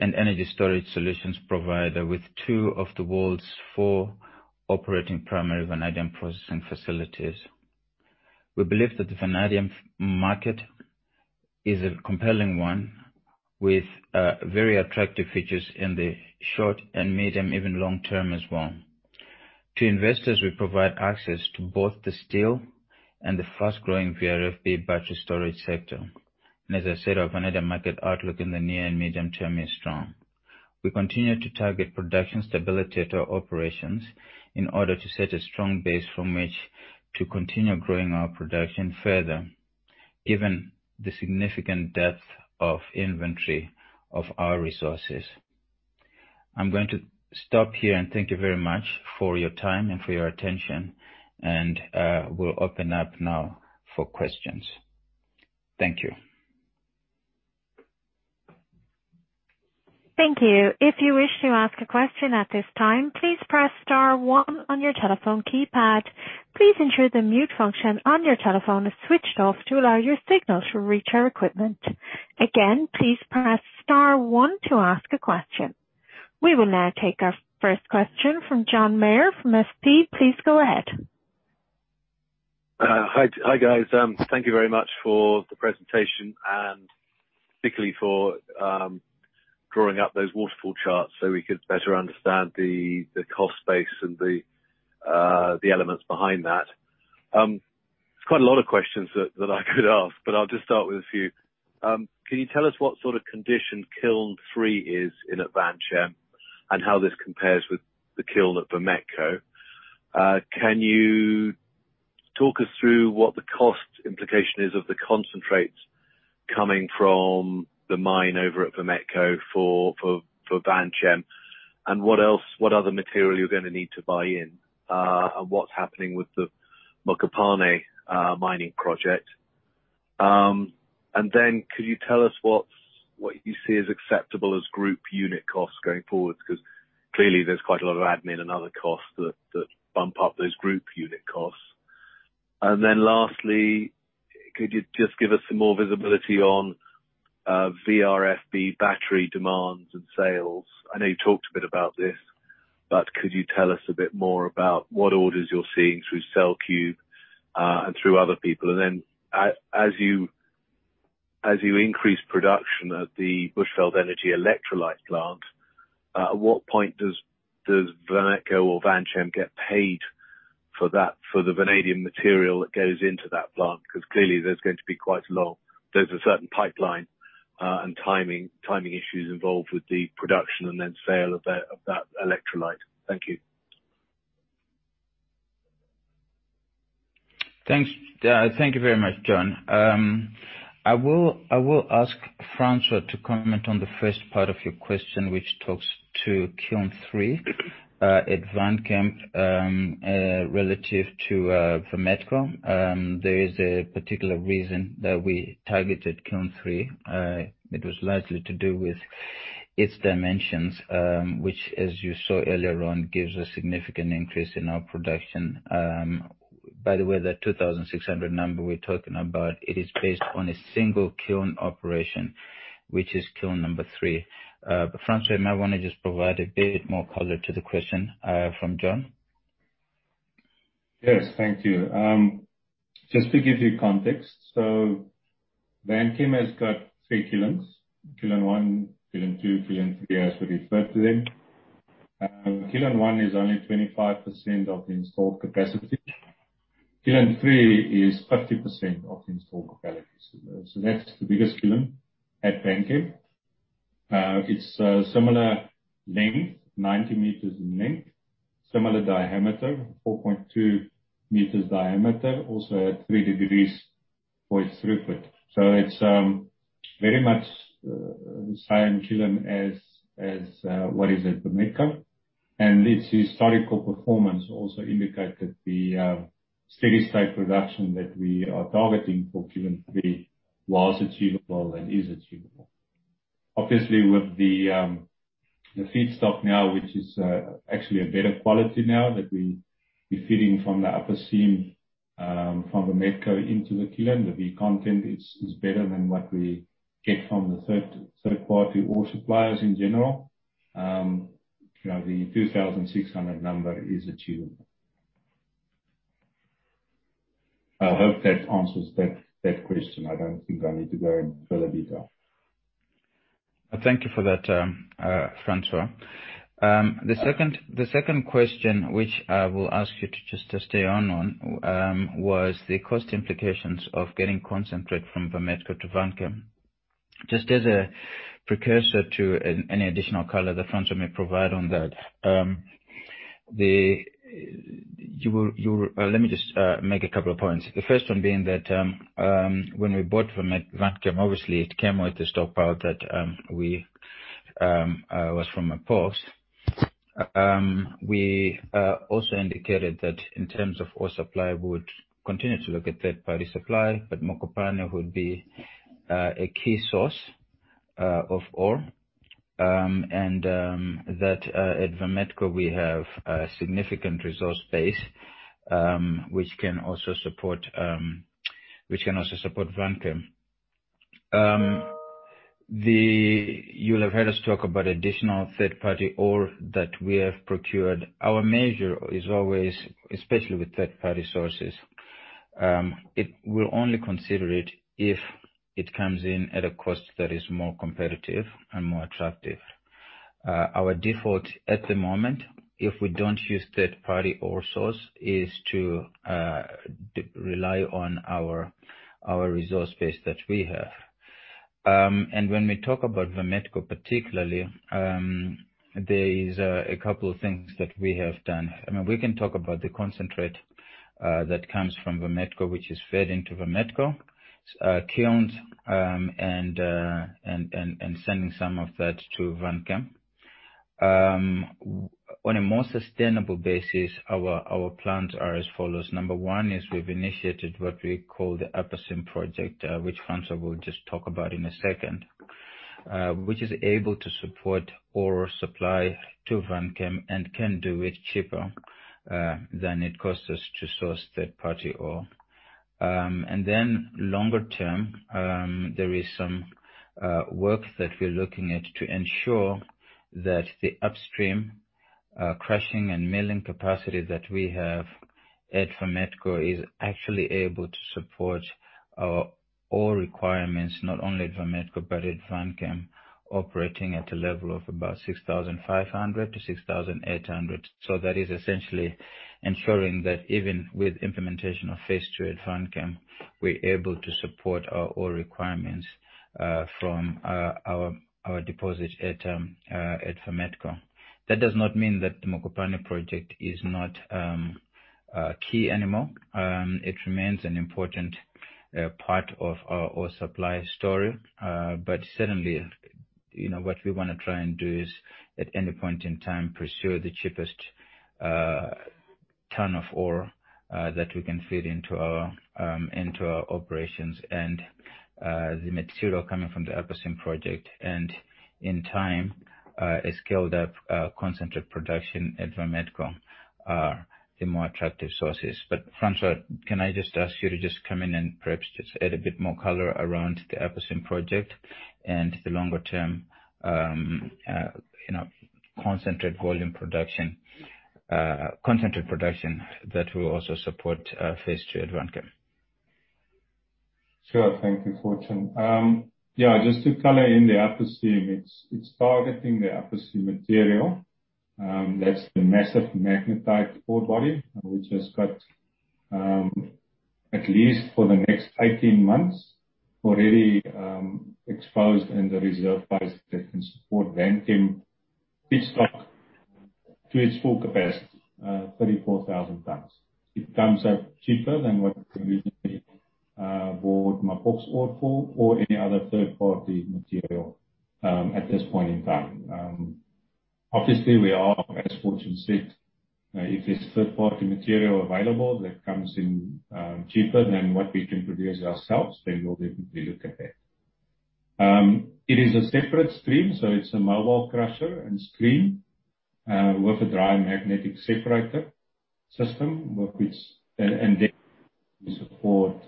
and energy storage solutions provider with two of the world's four operating primary vanadium processing facilities. We believe that the vanadium market is a compelling one with very attractive features in the short and medium, even long-term as well. To investors, we provide access to both the steel and the fast-growing VRFB battery storage sector. As I said, our vanadium market outlook in the near and medium term is strong. We continue to target production stability at our operations in order to set a strong base from which to continue growing our production further, given the significant depth of inventory of our resources. I'm going to stop here and thank you very much for your time and for your attention. We'll open up now for questions. Thank you. Thank you. If you wish to ask a question at this time, please press star one on your telephone keypad. Please ensure the mute function on your telephone is switched off to allow your signal to reach our equipment. Again, please press star one to ask a question. We will now take our first question from John Meyer from SP. Please go ahead. Hi, guys. Thank you very much for the presentation and particularly for drawing up those waterfall charts so we could better understand the cost base and the elements behind that. There's quite a lot of questions that I could ask, but I'll just start with a few. Can you tell us what sort of condition Kiln three is in at Vanchem and how this compares with the kiln at Vametco? Can you talk us through what the cost implication is of the concentrates coming from the mine over at Vametco for Vanchem? What other material you're going to need to buy in? What's happening with the Mokopane Vanadium Project? Could you tell us what you see as acceptable as group unit costs going forward? Because clearly there's quite a lot of admin and other costs that bump up those group unit costs. Lastly, could you just give us some more visibility on VRFB battery demands and sales? I know you talked a bit about this, but could you tell us a bit more about what orders you're seeing through CellCube, and through other people? As you increase production at the Bushveld Energy Electrolyte Plant, at what point does Vametco or Vanchem get paid for the vanadium material that goes into that plant? Clearly there's going to be a certain pipeline, and timing issues involved with the production and then sale of that electrolyte. Thank you. Thanks. Thank you very much, John. I will ask Francois to comment on the first part of your question, which talks to Kiln three at Vanchem, relative to Vametco. There is a particular reason that we targeted Kiln three. It was largely to do with its dimensions, which as you saw earlier on, gives a significant increase in our production. By the way, that 2,600 number we're talking about, it is based on a single kiln operation, which is kiln number three. Francois, you might want to just provide a bit more color to the question from John. Yes. Thank you. Just to give you context. Vanchem has got three kilns. Kiln one, Kiln two, Kiln three, as we refer to them. Kiln one is only 25% of the installed capacity. Kiln three is 50% of the installed capacity. That's the biggest kiln at Vanchem. It's a similar length, 90 m in length, similar diameter, 4.2 m diameter, also at three degrees for its throughput. It's very much the same kiln as what is at Vametco. Its historical performance also indicated the steady state production that we are targeting for Kiln three was achievable and is achievable. Obviously, with the feedstock now, which is actually a better quality now that we're feeding from the Upper Seam, from Vametco into the kiln, the V content is better than what we get from the third-party ore suppliers in general. The 2,600 number is achievable. I hope that answers that question. I don't think I need to go in further detail. Thank you for that, Francois. The second question, which I will ask you to just to stay on, was the cost implications of getting concentrate from Vametco to Vanchem. Just as a precursor to any additional color that Francois may provide on that. Let me just make a couple of points. The first one being that, when we bought Vanchem, obviously it came with the stockpile that was from Mapochs. We also indicated that in terms of ore supply, we would continue to look at third-party supply, but Mokopane would be a key source of ore, and that at Vametco, we have a significant resource base, which can also support Vanchem. You'll have heard us talk about additional third-party ore that we have procured. Our measure is always, especially with third-party sources, we'll only consider it if it comes in at a cost that is more competitive and more attractive. Our default at the moment, if we don't use third-party ore source, is to rely on our resource base that we have. When we talk about Vametco particularly, there is a couple of things that we have done. I mean, we can talk about the concentrate that comes from Vametco, which is fed into Vametco, kilned, and sending some of that to Vanchem. On a more sustainable basis, our plans are as follows. Number one is we've initiated what we call the Upper Seam Project, which Francois will just talk about in a second, which is able to support ore supply to Vanchem and can do it cheaper than it costs us to source third-party ore. Longer term, there is some work that we're looking at to ensure that the upstream crushing and milling capacity that we have at Vametco is actually able to support our ore requirements, not only at Vametco but at Vanchem operating at a level of about 6,500-6,800. That is essentially ensuring that even with implementation of phase II at Vanchem, we're able to support our ore requirements from our deposit at Vametco. That does not mean that the Mokopane project is not key anymore. It remains an important part of our ore supply story. Certainly, what we want to try and do is, at any point in time, pursue the cheapest ton of ore that we can feed into our operations. The material coming from the Upper Seam Project, and in time, a scaled up concentrate production at Vametco are the more attractive sources. Francois, can I just ask you to just come in and perhaps just add a bit more color around the Upper Seam Project and the longer-term concentrate production that will also support phase II at Vanchem. Sure. Thank you, Fortune. Yeah, just to color in the Upper Seam, it's targeting the Upper Seam material. That's the massive magnetite ore body, which has got, at least for the next 18 months, already exposed in the reserve base that can support Vanchem feedstock to its full capacity, 34,000 tons. It comes up cheaper than what we usually bought Mapochs ore for or any other third-party material at this point in time. Obviously, we are, as Fortune said, if there's third-party material available that comes in cheaper than what we can produce ourselves, then we'll definitely look at that. It is a separate stream, so it's a mobile crusher and screen with a dry magnetic separator system, and then we support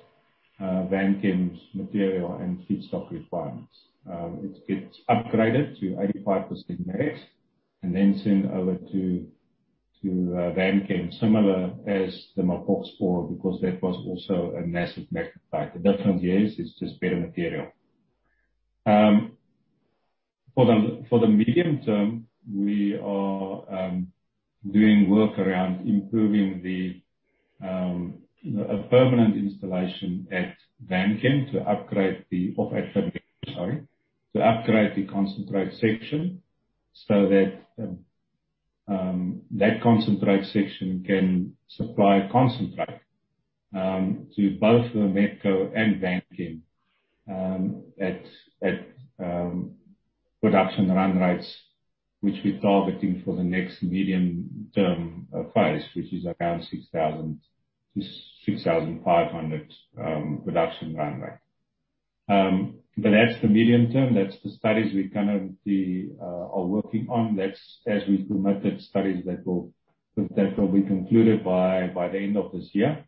Vanchem's material and feedstock requirements. It gets upgraded to 85% mag and then sent over to Vanchem, similar as the Mapochs ore, because that was also a massive magnetite. The difference is it's just better material. For the medium term, we are doing work around improving a permanent installation at Vanchem to upgrade the concentrate section so that concentrate section can supply concentrate to both Vametco and Vanchem at production run rates, which we're targeting for the next medium term phase, which is around 6,000-6,500 production run rate. That's the medium term. That's the studies we are working on. That's as we promote the studies that will be concluded by the end of this year.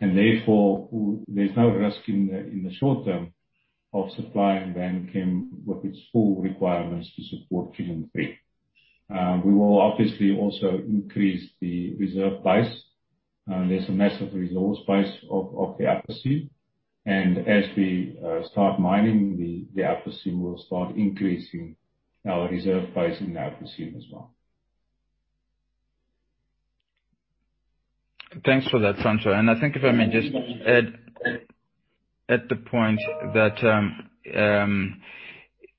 Therefore, there's no risk in the short term of supplying Vanchem with its full requirements to support phase III. We will obviously also increase the reserve base. There's a massive resource base of the Upper Seam. As we start mining the Upper Seam, we'll start increasing our reserve base in the Upper Seam as well. Thanks for that, Francois. I think if I may just add the point that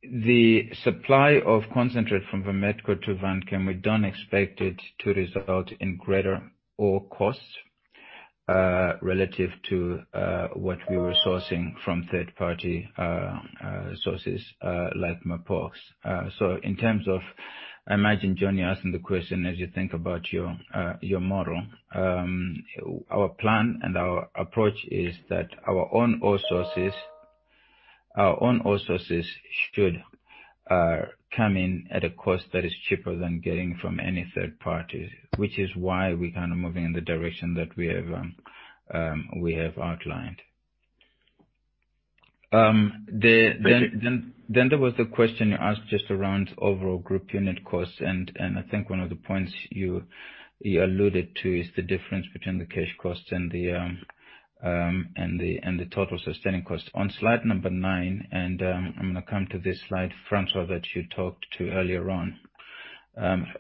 the supply of concentrate from Vametco to Vanchem, we don't expect it to result in greater ore costs relative to what we were sourcing from third-party sources like Mapochs. In terms of, I imagine, Johnny, asking the question as you think about your model. Our plan and our approach is that our own ore sources should come in at a cost that is cheaper than getting from any third party, which is why we're kind of moving in the direction that we have outlined. There was the question you asked just around overall group unit costs, and I think one of the points you alluded to is the difference between the cash costs and the total sustaining cost. On slide number nine, I'm going to come to this slide, Francois, that you talked to earlier on.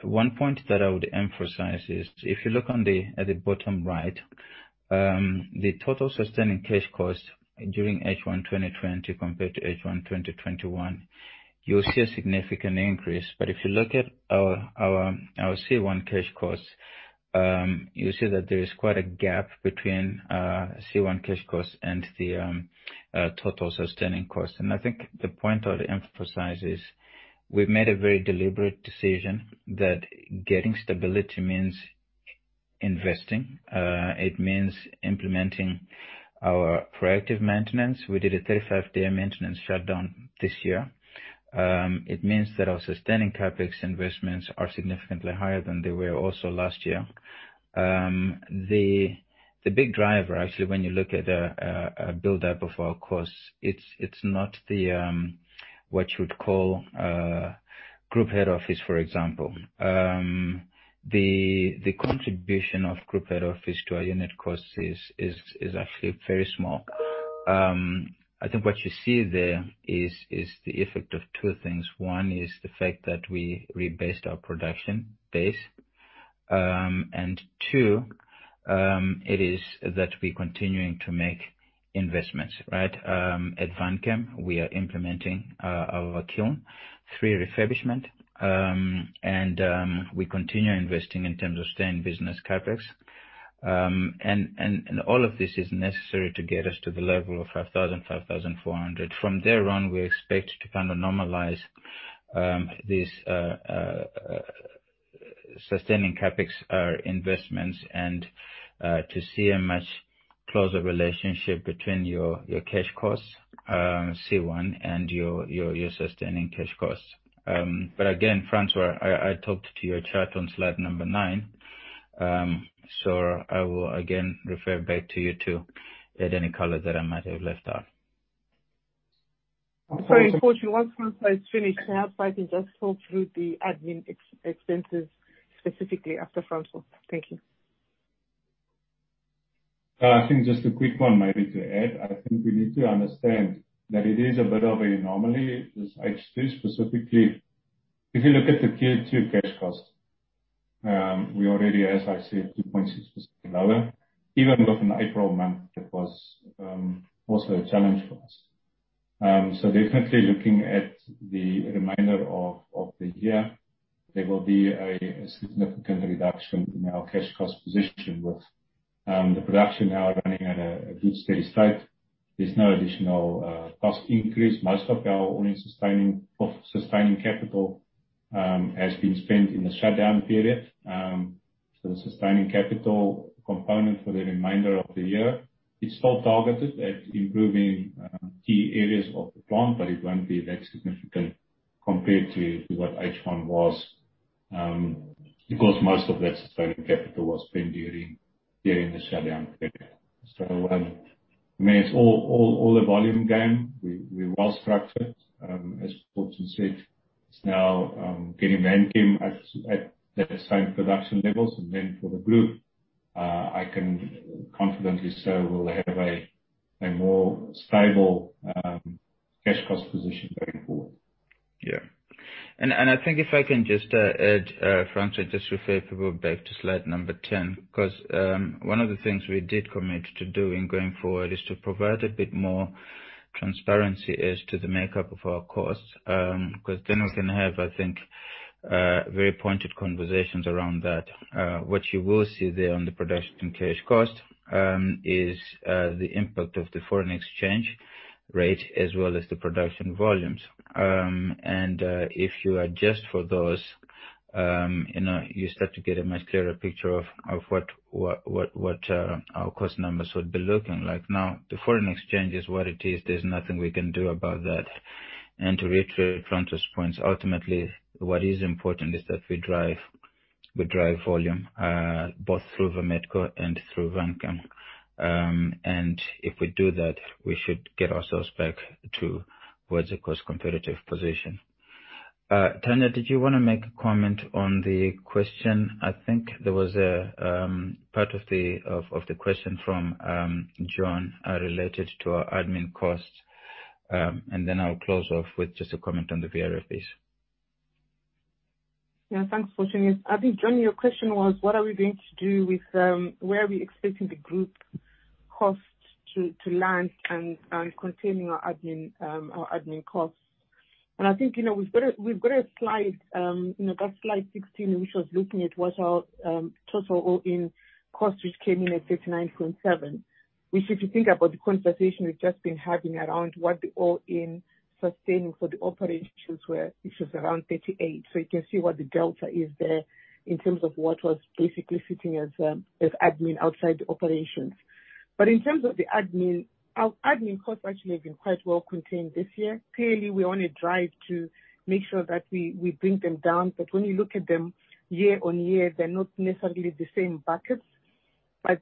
One point that I would emphasize is if you look at the bottom right, the total sustaining cash cost during H1 2020 compared to H1 2021, you'll see a significant increase. If you look at our C1 cash costs, you see that there is quite a gap between C1 cash costs and the total sustaining costs. I think the point I would emphasize is we've made a very deliberate decision that getting stability means investing. It means implementing our proactive maintenance. We did a 35-day maintenance shutdown this year. It means that our sustaining CapEx investments are significantly higher than they were also last year. The big driver, actually, when you look at a buildup of our costs, it's not what you would call group head office, for example. The contribution of group head office to our unit costs is actually very small. I think what you see there is the effect of two things. One is the fact that we rebased our production base. Two, it is that we're continuing to make investments, right? At Vanchem, we are implementing our Kiln three refurbishment. We continue investing in terms of stay-in-business CapEx. All of this is necessary to get us to the level of 5,000, 5,400. From there on, we expect to kind of normalize these sustaining CapEx investments and to see a much closer relationship between your cash costs, C1, and your sustaining cash costs. Again, Francois, I talked to your chart on slide number nine. I will again refer back to you to add any color that I might have left out. Sorry, Fortune. Once Francois is finished, may I kindly just talk through the admin expenses specifically after Francois? Thank you. I think just a quick one maybe to add. I think we need to understand that it is a bit of an anomaly, this H2 specifically. If you look at the Q2 cash costs, we already, as I said, 2.6% lower. Even with an April month, that was also a challenge for us. Definitely looking at the remainder of the year, there will be a significant reduction in our cash cost position with the production now running at a good, steady state. There's no additional cost increase. Most of our all-in sustaining capital has been spent in the shutdown period. The sustaining capital component for the remainder of the year is still targeted at improving key areas of the plant, but it won't be that significant compared to what H1 was, because most of that sustaining capital was spent during the shutdown period. I mean, it's all a volume game. We're well structured, as Fortune said. It's now getting Vanchem at that same production levels. For the group, I can confidently say we'll have a more stable cash cost position going forward. Yeah. I think if I can just add, Francois, just refer people back to slide number 10, because one of the things we did commit to doing going forward is to provide a bit more transparency as to the makeup of our costs, because then we can have, I think, very pointed conversations around that. What you will see there on the production cash cost is the impact of the foreign exchange rate as well as the production volumes. If you adjust for those, you start to get a much clearer picture of what our cost numbers would be looking like. Now, the foreign exchange is what it is. There's nothing we can do about that. To reiterate Francois's points, ultimately, what is important is that we drive volume, both through Vametco and through Vanchem. If we do that, we should get ourselves back to towards a cost-competitive position. Tanya, did you want to make a comment on the question? I think there was a part of the question from John related to our admin costs. Then I'll close off with just a comment on the VRF piece. Thanks, Fortune. I think, John, your question was, what are we going to do with where we expecting the group costs to land and containing our admin costs. I think we've got a slide, that slide 16, which was looking at what our total all-in cost, which came in at $39.7, which if you think about the conversation we've just been having around what the all-in sustaining for the operations were, which was around $38. You can see what the delta is there in terms of what was basically sitting as admin outside the operations. In terms of the admin, our admin costs actually have been quite well contained this year. Clearly, we're on a drive to make sure that we bring them down. When you look at them year on year, they're not necessarily the same buckets, but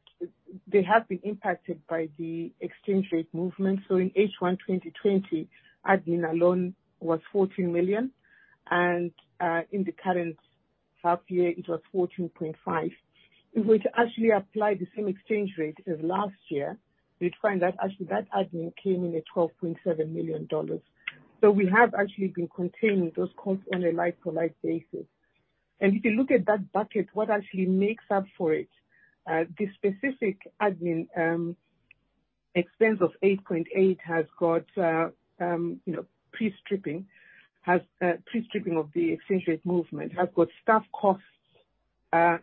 they have been impacted by the exchange rate movement. In H1 2020, admin alone was $14 million, and in the current half year, it was $14.5. If we were to actually apply the same exchange rate as last year, we'd find that actually that admin came in at $12.7 million. We have actually been containing those costs on a like-to-like basis. If you look at that bucket, what actually makes up for it, this specific admin expense of $8.8 has got pre-stripping of the exchange rate movement, has got staff costs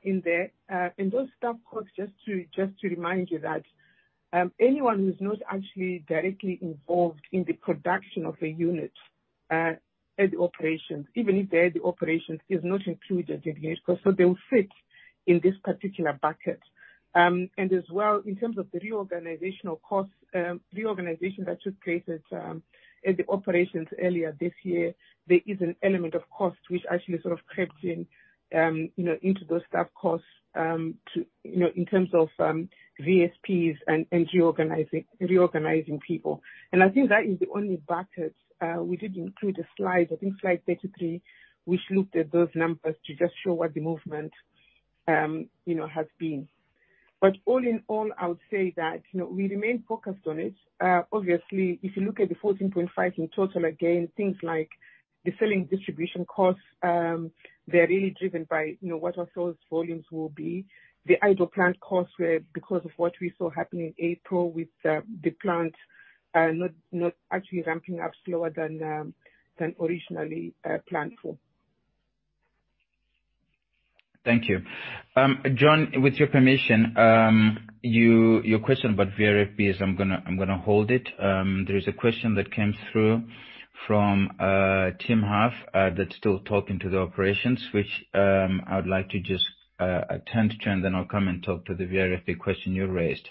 in there. Those staff costs, just to remind you that anyone who's not actually directly involved in the production of a unit at the operations, even if they're at the operations, is not included in here. They will sit in this particular bucket. As well, in terms of the reorganizational costs, reorganization that took place at the operations earlier this year, there is an element of cost which actually sort of crept in into those staff costs in terms of VSPs and reorganizing people. I think that is the only bucket. We did include a slide, I think slide 33, which looked at those numbers to just show what the movement has been. All in all, I would say that we remain focused on it. Obviously, if you look at the 14.5 in total, again, things like the selling distribution costs, they're really driven by what our sales volumes will be. The idle plant costs were because of what we saw happen in April with the plant not actually ramping up slower than originally planned for. Thank you. John, with your permission, your question about VRFBs, I'm going to hold it. There is a question that came through from Tim Huff that is still talking to the operations, which I would like to just attend to, and then I will come and talk to the VRFB question you raised.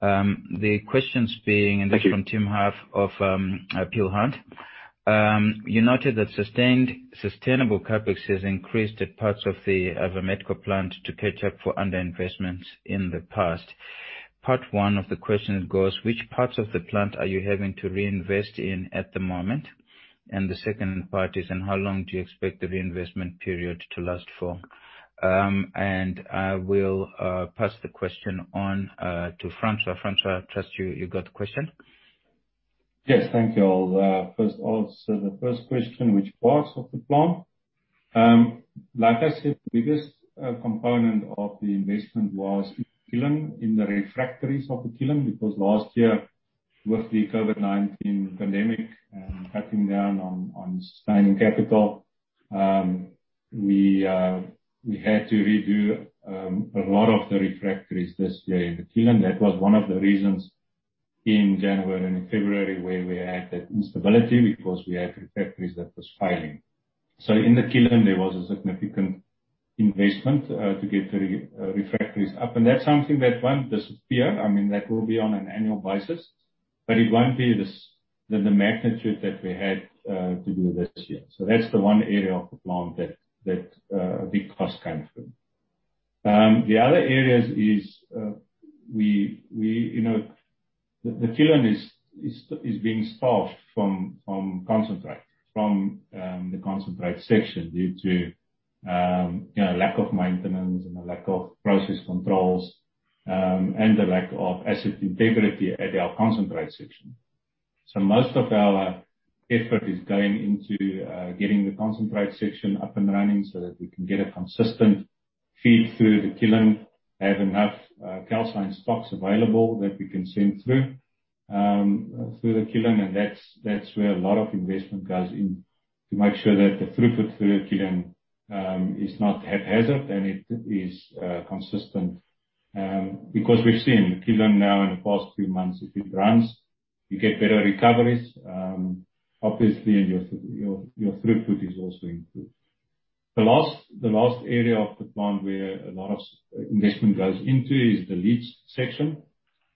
The question being- Thank you This is from Tim Huff of Peel Hunt. You noted that sustainable CapEx has increased at parts of the Vametco plant to catch up for under-investments in the past. Part 1 of the question goes, which parts of the plant are you having to reinvest in at the moment? The second part is, and how long do you expect the reinvestment period to last for? I will pass the question on to Francois. Francois, I trust you got the question. Yes. Thank you. I'll first answer the first question, which parts of the plant. Like I said, the biggest component of the investment was the kiln, in the refractories of the kiln, because last year with the COVID-19 pandemic and cutting down on spending capital, we had to redo a lot of the refractories this year in the kiln. That was one of the reasons in January and in February where we had that instability, because we had refractories that was failing. In the kiln, there was a significant investment to get the refractories up. That's something that won't disappear. I mean, that will be on an annual basis, but it won't be the magnitude that we had to do this year. That's the one area of the plant that a big cost came from. The other areas is, the kiln is being starved from concentrate, from the concentrate section due to lack of maintenance and a lack of process controls, and the lack of asset integrity at our concentrate section. Most of our effort is going into getting the concentrate section up and running so that we can get a consistent feed through the kiln, have enough calcine stocks available that we can send through the kiln. That's where a lot of investment goes in to make sure that the throughput through the kiln is not haphazard and it is consistent. We've seen the kiln now in the past few months, if it runs, you get better recoveries. Obviously, your throughput is also improved. The last area of the plant where a lot of investment goes into is the leach section.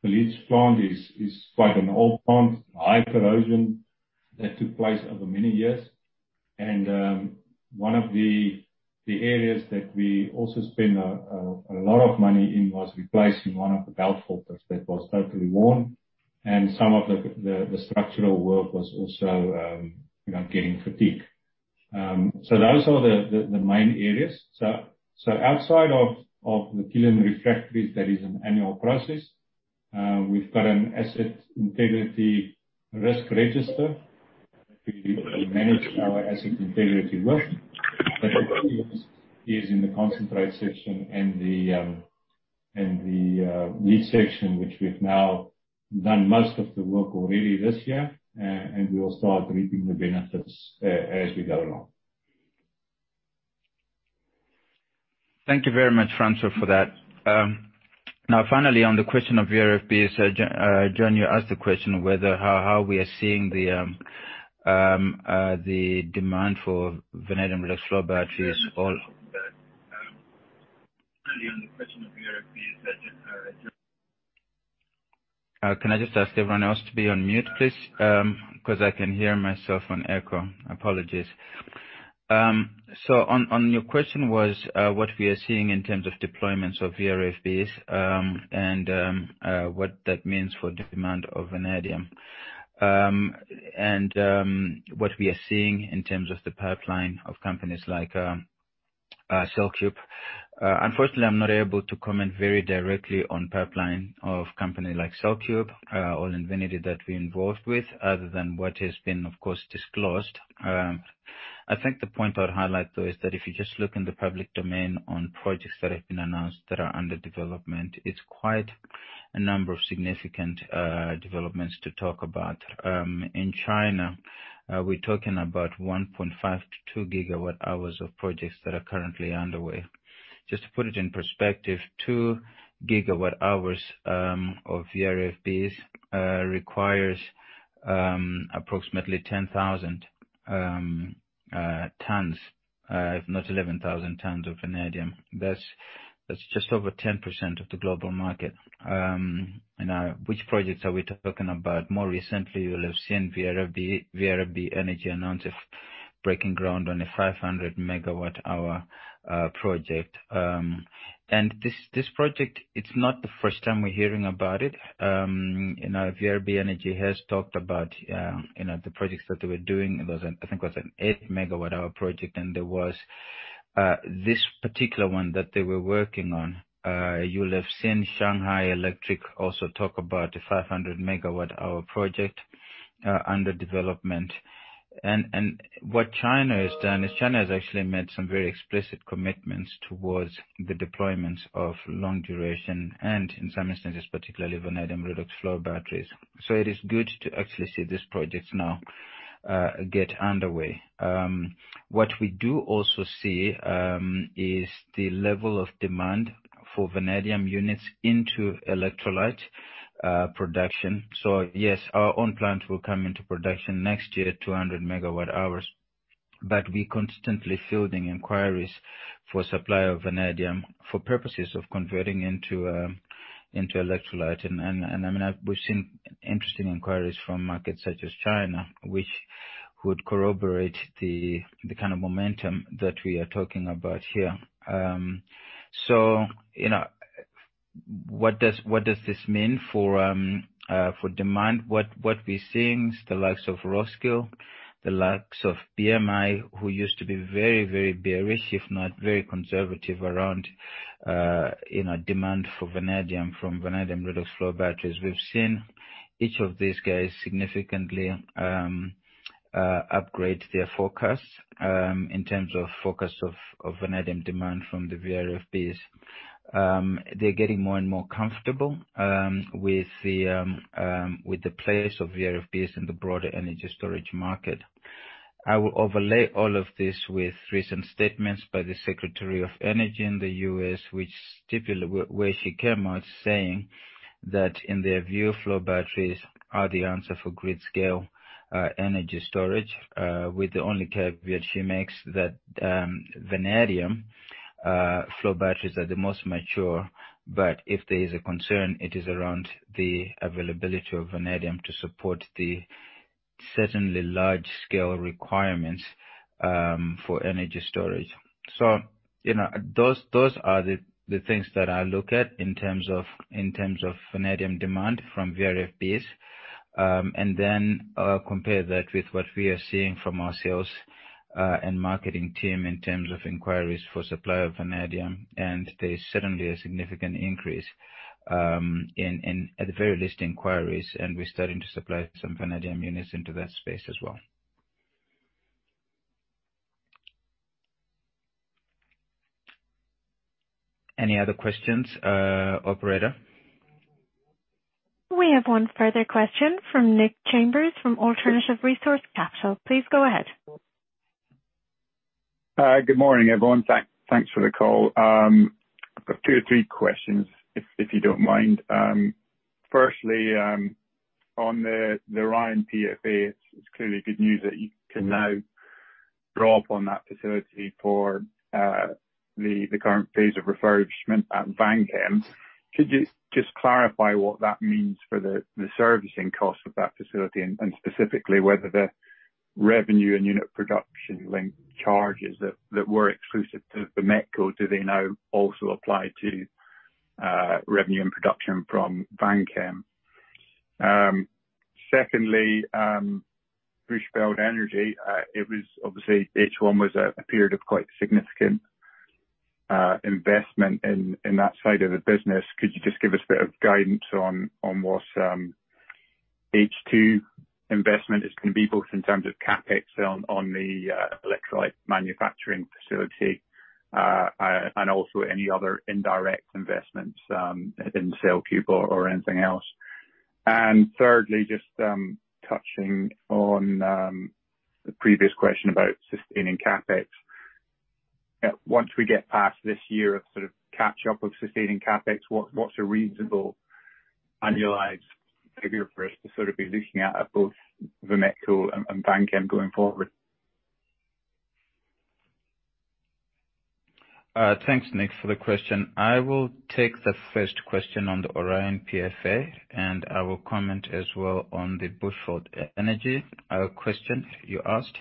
The leach plant is quite an old plant, high corrosion that took place over many years. One of the areas that we also spend a lot of money in was replacing one of the belt filters that was totally worn, and some of the structural work was also getting fatigue. Those are the main areas. Outside of the kiln refractories, that is an annual process. We've got an asset integrity risk register to manage our asset integrity work. The key is in the concentrate section and the leach section, which we've now done most of the work already this year, and we will start reaping the benefits as we go along. Thank you very much, Francois, for that. Now, finally, on the question of VRFBs, John, you asked the question of how we are seeing the demand for vanadium redox flow batteries all- Finally, on the question of VRFBs. Can I just ask everyone else to be on mute, please? Because I can hear myself on echo. Apologies. On your question was, what we are seeing in terms of deployments of VRFBs, and what that means for demand of vanadium. What we are seeing in terms of the pipeline of companies like CellCube. Unfortunately, I'm not able to comment very directly on pipeline of company like CellCube or Invinity that we're involved with other than what has been, of course, disclosed. I think the point I'd highlight, though, is that if you just look in the public domain on projects that have been announced that are under development, it's quite a number of significant developments to talk about. In China, we're talking about 1.5 GWh-2 GWh of projects that are currently underway. Just to put it in perspective, 2 GWh of VRFBs requires approximately 10,000 tons, if not 11,000 tons of vanadium. That's just over 10% of the global market. Which projects are we talking about? More recently, you will have seen VRB Energy announce breaking ground on a 500 MWh project. This project, it's not the first time we're hearing about it. VRB Energy has talked about the projects that they were doing. I think it was an 8 MWh project, and there was this particular one that they were working on. You will have seen Shanghai Electric also talk about a 500 MWh project under development. What China has done is China has actually made some very explicit commitments towards the deployment of long duration, and in some instances, particularly vanadium redox flow batteries. It is good to actually see these projects now get underway. What we do also see is the level of demand for vanadium units into electrolyte production. Yes, our own plant will come into production next year, 200 MWh but we're constantly fielding inquiries for supply of vanadium for purposes of converting into electrolyte. We've seen interesting inquiries from markets such as China, which would corroborate the kind of momentum that we are talking about here. What does this mean for demand? What we're seeing is the likes of Roskill, the likes of BMI, who used to be very bearish, if not very conservative, around demand for vanadium from vanadium redox flow batteries. We've seen each of these guys significantly upgrade their forecast in terms of forecast of vanadium demand from the VRFBs. They're getting more and more comfortable with the place of VRFBs in the broader energy storage market. I will overlay all of this with recent statements by the Secretary of Energy in the U.S., where she came out saying that in their view, flow batteries are the answer for grid-scale energy storage, with the only caveat she makes that vanadium flow batteries are the most mature, but if there is a concern, it is around the availability of vanadium to support the certainly large-scale requirements for energy storage. Those are the things that I look at in terms of vanadium demand from VRFBs, and then compare that with what we are seeing from our sales and marketing team in terms of inquiries for supply of vanadium. There's certainly a significant increase, at the very least, inquiries, and we're starting to supply some vanadium units into that space as well. Any other questions, operator? We have one further question from Nick Chalmers from Alternative Resource Capital. Please go ahead. I've got two or three questions, if you don't mind. First, on the Orion PFA, it's clearly good news that you can now draw up on that facility for the current phase of refurbishment at Vanchem. Could you just clarify what that means for the servicing cost of that facility, and specifically, whether the revenue and unit production link charges that were exclusive to the Vametco, do they now also apply to revenue and production from Vanchem? Secondly, Bushveld Energy, obviously, H1 was a period of quite significant investment in that side of the business. Could you just give us a bit of guidance on what H2 investment is going to be, both in terms of CapEx on the electrolyte manufacturing facility, and also any other indirect investments in CellCube or anything else? Thirdly, just touching on the previous question about sustaining CapEx. Once we get past this year of sort of catch up of sustaining CapEx, what's a reasonable annualized figure for us to sort of be looking at both Vametco and Vanchem going forward? Thanks, Nick, for the question. I will take the first question on the Orion PFA, I will comment as well on the Bushveld Energy question you asked.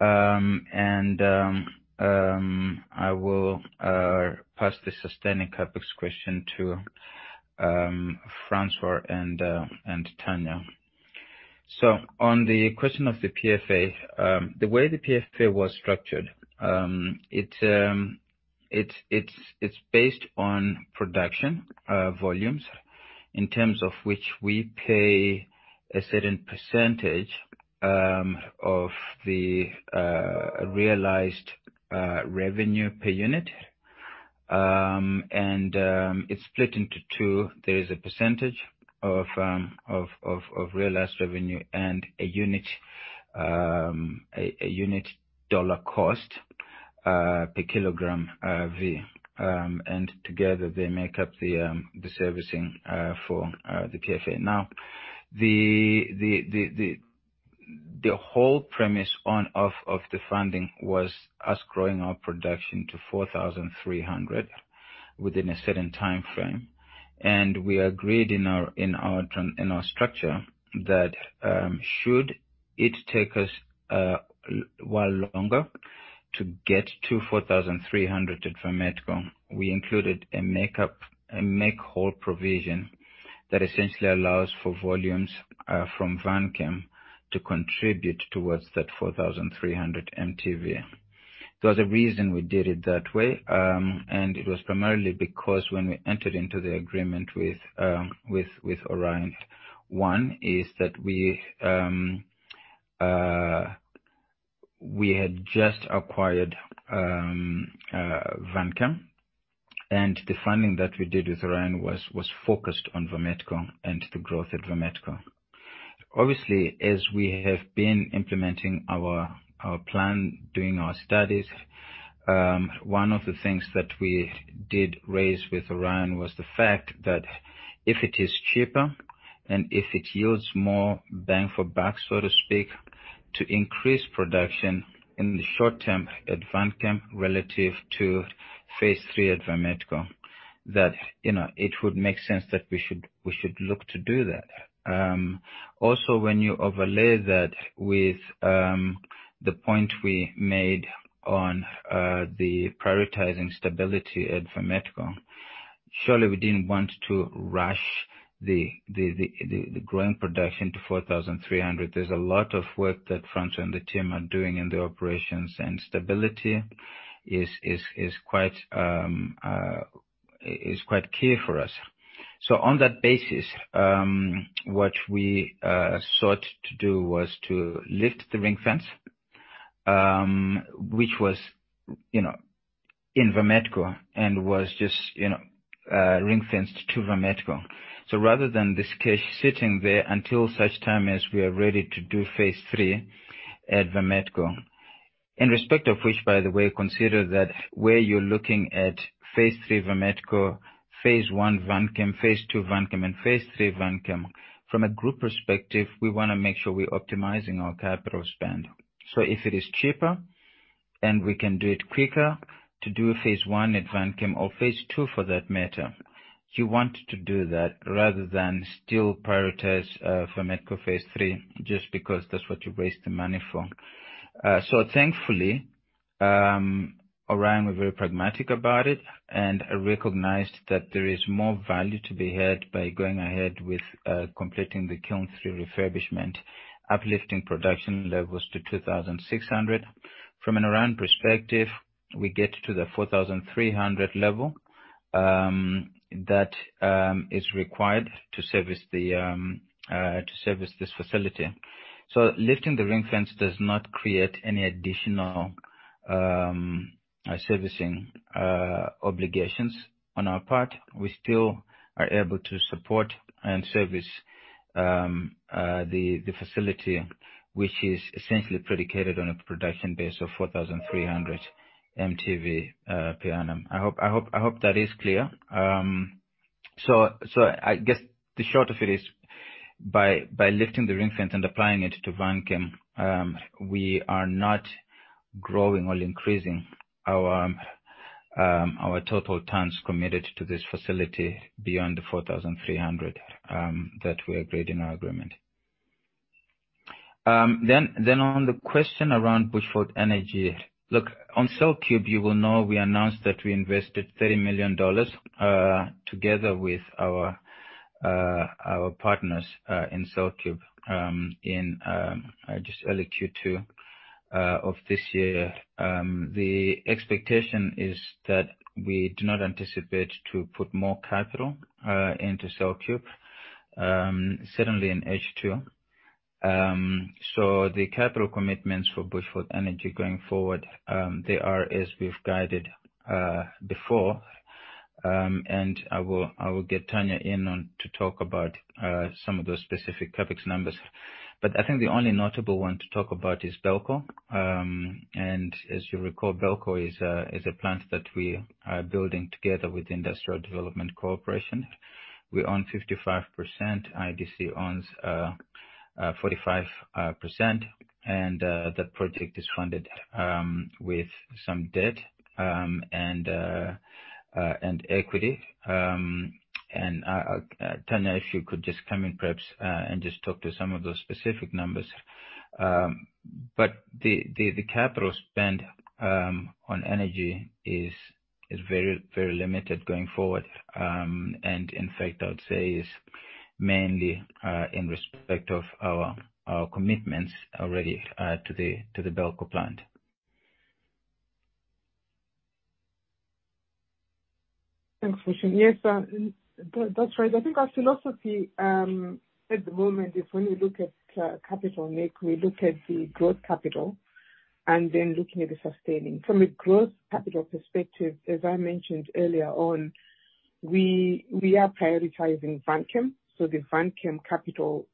I will pass the sustaining CapEx question to Francois and Tanya. On the question of the PFA, the way the PFA was structured, It's based on production volumes, in terms of which we pay a certain percentage of the realized revenue per unit. It's split into two. There is a percentage of realized revenue and a unit dollar cost per kilogram of V. Together they make up the servicing for the PFA. The whole premise of the funding was us growing our production to 4,300 within a certain time frame. We agreed in our structure that should it take us a while longer to get to 4,300 at Vametco, we included a make whole provision that essentially allows for volumes from Vanchem to contribute towards that 4,300 mtV. There was a reason we did it that way, and it was primarily because when we entered into the agreement with Orion, one is that we had just acquired Vanchem. The funding that we did with Orion was focused on Vametco and the growth at Vametco. Obviously, as we have been implementing our plan, doing our studies, one of the things that we did raise with Orion was the fact that if it is cheaper and if it yields more bang for buck, so to speak, to increase production in the short term at Vanchem relative to phase III at Vametco, that it would make sense that we should look to do that. When you overlay that with the point we made on the prioritizing stability at Vametco, surely we didn't want to rush the growing production to 4,300. There's a lot of work that Francois and the team are doing in the operations, and stability is quite key for us. On that basis, what we sought to do was to lift the ring fence, which was in Vametco and was just ring-fenced to Vametco. Rather than this cash sitting there until such time as we are ready to do phase III at Vametco. In respect of which, by the way, consider that where you're looking at phase III, Vametco, phase I, Vanchem, phase II, Vanchem, and phase III, Vanchem. From a group perspective, we wanna make sure we're optimizing our capital spend. If it is cheaper and we can do it quicker to do a phase I at Vanchem or phase II for that matter, you want to do that rather than still prioritize Vametco phase III, just because that's what you raised the money for. Thankfully, Orion were very pragmatic about it and recognized that there is more value to be had by going ahead with completing the Kiln three refurbishment, uplifting production levels to 2,600. From an Orion perspective, we get to the 4,300 level that is required to service this facility. Lifting the ring fence does not create any additional servicing obligations on our part. We still are able to support and service the facility, which is essentially predicated on a production base of 4,300 mtV per annum. I hope that is clear. I guess the short of it is by lifting the ring fence and applying it to Vanchem, we are not growing or increasing our total tons committed to this facility beyond the 4,300 that we agreed in our agreement. On the question around Bushveld Energy. Look, on CellCube you will know we announced that we invested $30 million together with our partners in CellCube in just early Q2 of this year. The expectation is that we do not anticipate to put more capital into CellCube certainly in H2. The capital commitments for Bushveld Energy going forward, they are as we've guided before. I will get Tanya in on to talk about some of those specific CapEx numbers. I think the only notable one to talk about is Belco. As you recall, BELCO is a plant that we are building together with Industrial Development Corporation. We own 55%, IDC owns 45%, and that project is funded with some debt and equity. Tanya, if you could just come in perhaps, and just talk to some of those specific numbers. The capital spend on energy is very limited going forward. In fact, I would say is mainly in respect of our commitments already to the BELCO plant. Thanks, Fortune. Yes, that's right. I think our philosophy at the moment is when we look at capital make, we look at the growth capital and then looking at the sustaining. From a growth capital perspective, as I mentioned earlier on, we are prioritizing Vanchem. The Vanchem capital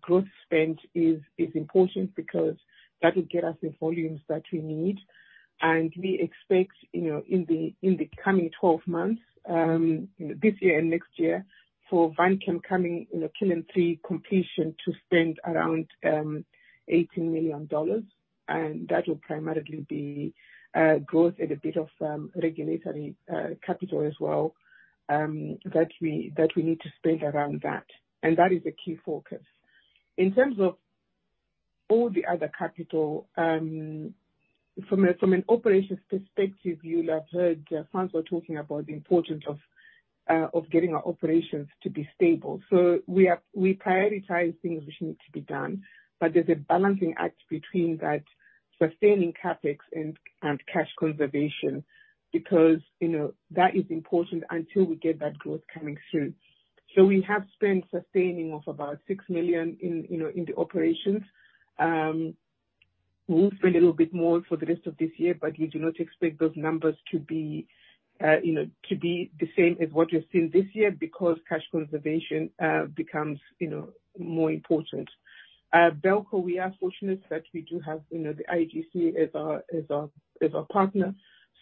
growth spend is important because that will get us the volumes that we need. We expect in the coming 12 months, this year and next year, for Vanchem coming, Kiln three completion to spend around $18 million. That will primarily be growth and a bit of regulatory capital as well, that we need to spend around that. That is the key focus. In terms of all the other capital, from an operations perspective, you'll have heard Francois talking about the importance of getting our operations to be stable. We prioritize things which need to be done, but there's a balancing act between that sustaining CapEx and cash conservation, because that is important until we get that growth coming through. We have spent sustaining of about $6 million in the operations. We'll spend a little bit more for the rest of this year, but we do not expect those numbers to be the same as what you're seeing this year because cash conservation becomes more important. At Belco, we are fortunate that we do have the IDC as our partner.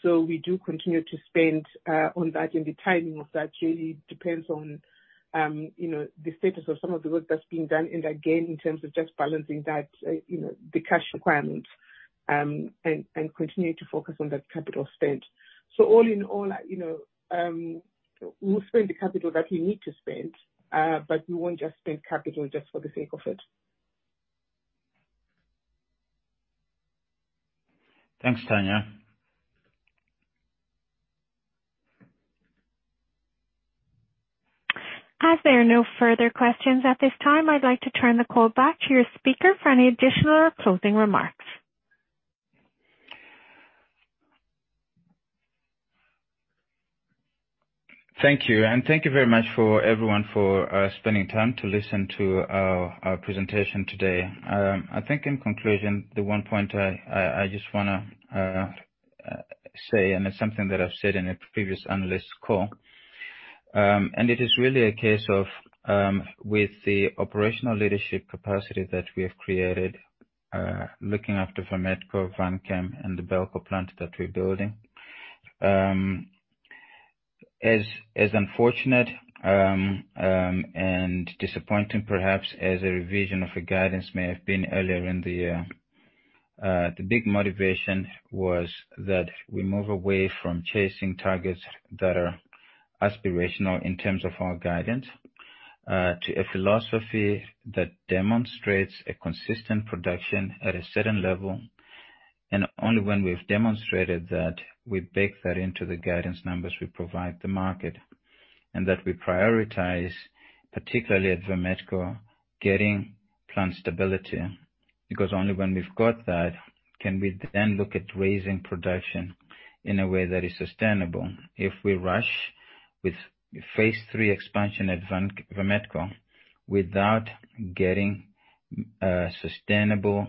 We do continue to spend on that, and the timing of that really depends on the status of some of the work that's being done in that vein in terms of just balancing the cash requirement, and continue to focus on that capital spend. All in all, we'll spend the capital that we need to spend, but we won't just spend capital just for the sake of it. Thanks, Tanya. As there are no further questions at this time, I'd like to turn the call back to your speaker for any additional closing remarks. Thank you. Thank you very much everyone for spending time to listen to our presentation today. I think in conclusion, the one point I just want to say, it's something that I've said in a previous analyst call, it is really a case of, with the operational leadership capacity that we have created, looking after Vametco, Vanchem, and the Belco plant that we're building. As unfortunate and disappointing perhaps as a revision of a guidance may have been earlier in the year, the big motivation was that we move away from chasing targets that are aspirational in terms of our guidance, to a philosophy that demonstrates a consistent production at a certain level. Only when we've demonstrated that, we take that into the guidance numbers we provide the market. That we prioritize, particularly at Vametco, getting plant stability. Only when we've got that, can we then look at raising production in a way that is sustainable. If we rush with phase III expansion at Vametco without getting sustainable,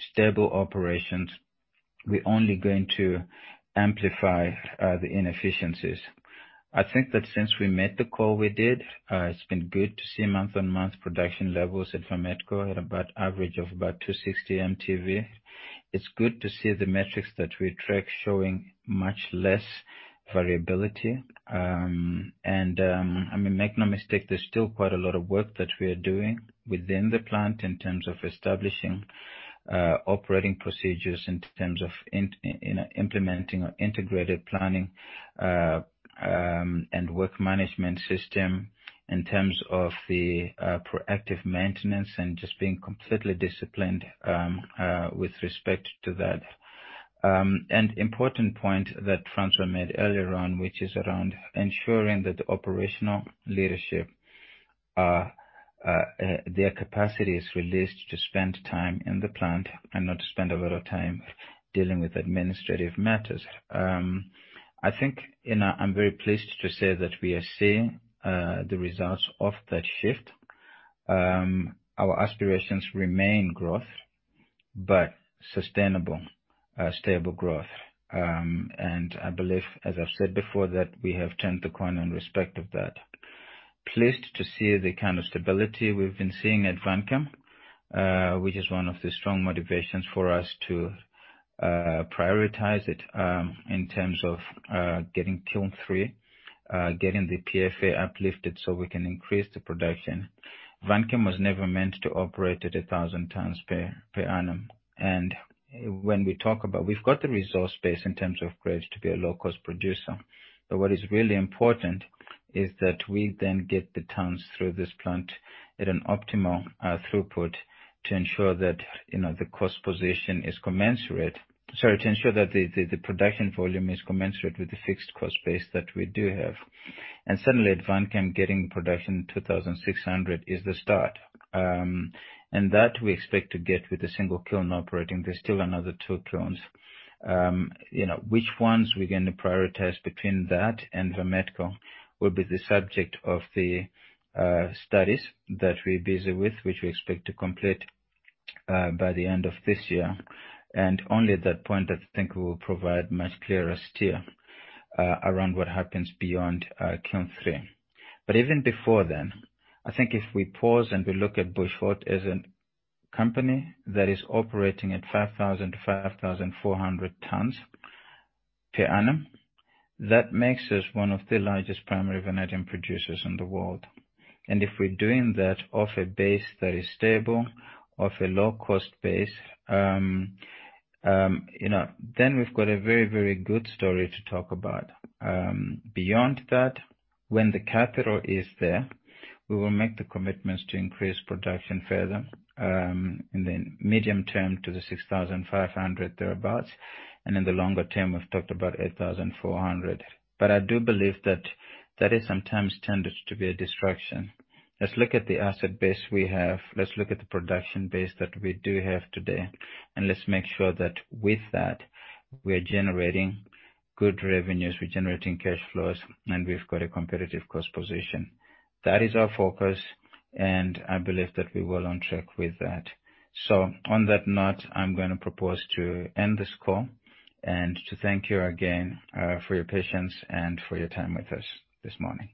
stable operations, we're only going to amplify the inefficiencies. I think that since we made the call, we did, it's been good to see month-on-month production levels at Vametco at about average of about 260 mtV. It's good to see the metrics that we track showing much less variability. Make no mistake, there's still quite a lot of work that we are doing within the plant in terms of establishing operating procedures, in terms of implementing our integrated planning and work management system, in terms of the proactive maintenance and just being completely disciplined, with respect to that. An important point that Francois made earlier on, which is around ensuring that the operational leadership, their capacity is released to spend time in the plant and not spend a lot of time dealing with administrative matters. I think, I'm very pleased to say that we are seeing the results of that shift. Our aspirations remain growth, but sustainable, stable growth. I believe, as I've said before, that we have turned the corner in respect of that. Pleased to see the kind of stability we've been seeing at Vanchem, which is one of the strong motivations for us to prioritize it, in terms of getting Kiln three, getting the PFA uplifted so we can increase the production. Vanchem was never meant to operate at 1,000 tons per annum. When we talk about, we've got the resource base in terms of grades to be a low-cost producer. What is really important is that we then get the tons through this plant at an optimal throughput to ensure that the cost position is commensurate. Sorry, to ensure that the production volume is commensurate with the fixed cost base that we do have. Certainly, at Vanchem getting production to 2,600 is the start. That we expect to get with a one kiln operating. There're still another two kilns. Which ones we're going to prioritize between that and Vametco will be the subject of the studies that we're busy with, which we expect to complete by the end of this year. Only at that point I think we will provide much clearer steer around what happens beyond Kiln three. Even before then, I think if we pause and we look at Bushveld as a company that is operating at 5,000 tons-5,400 tons per annum, that makes us one of the largest primary vanadium producers in the world. If we're doing that off a base that is stable, off a low-cost base, then we've got a very, very good story to talk about. Beyond that, when the capital is there, we will make the commitments to increase production further, in the medium term to the 6,500 thereabouts. In the longer term, we've talked about 8,400. I do believe that that is sometimes tended to be a distraction. Let's look at the asset base we have. Let's look at the production base that we do have today. Let's make sure that with that, we are generating good revenues, we're generating cash flows, and we've got a competitive cost position. That is our focus. I believe that we are well on track with that. On that note, I'm gonna propose to end this call and to thank you again for your patience and for your time with us this morning.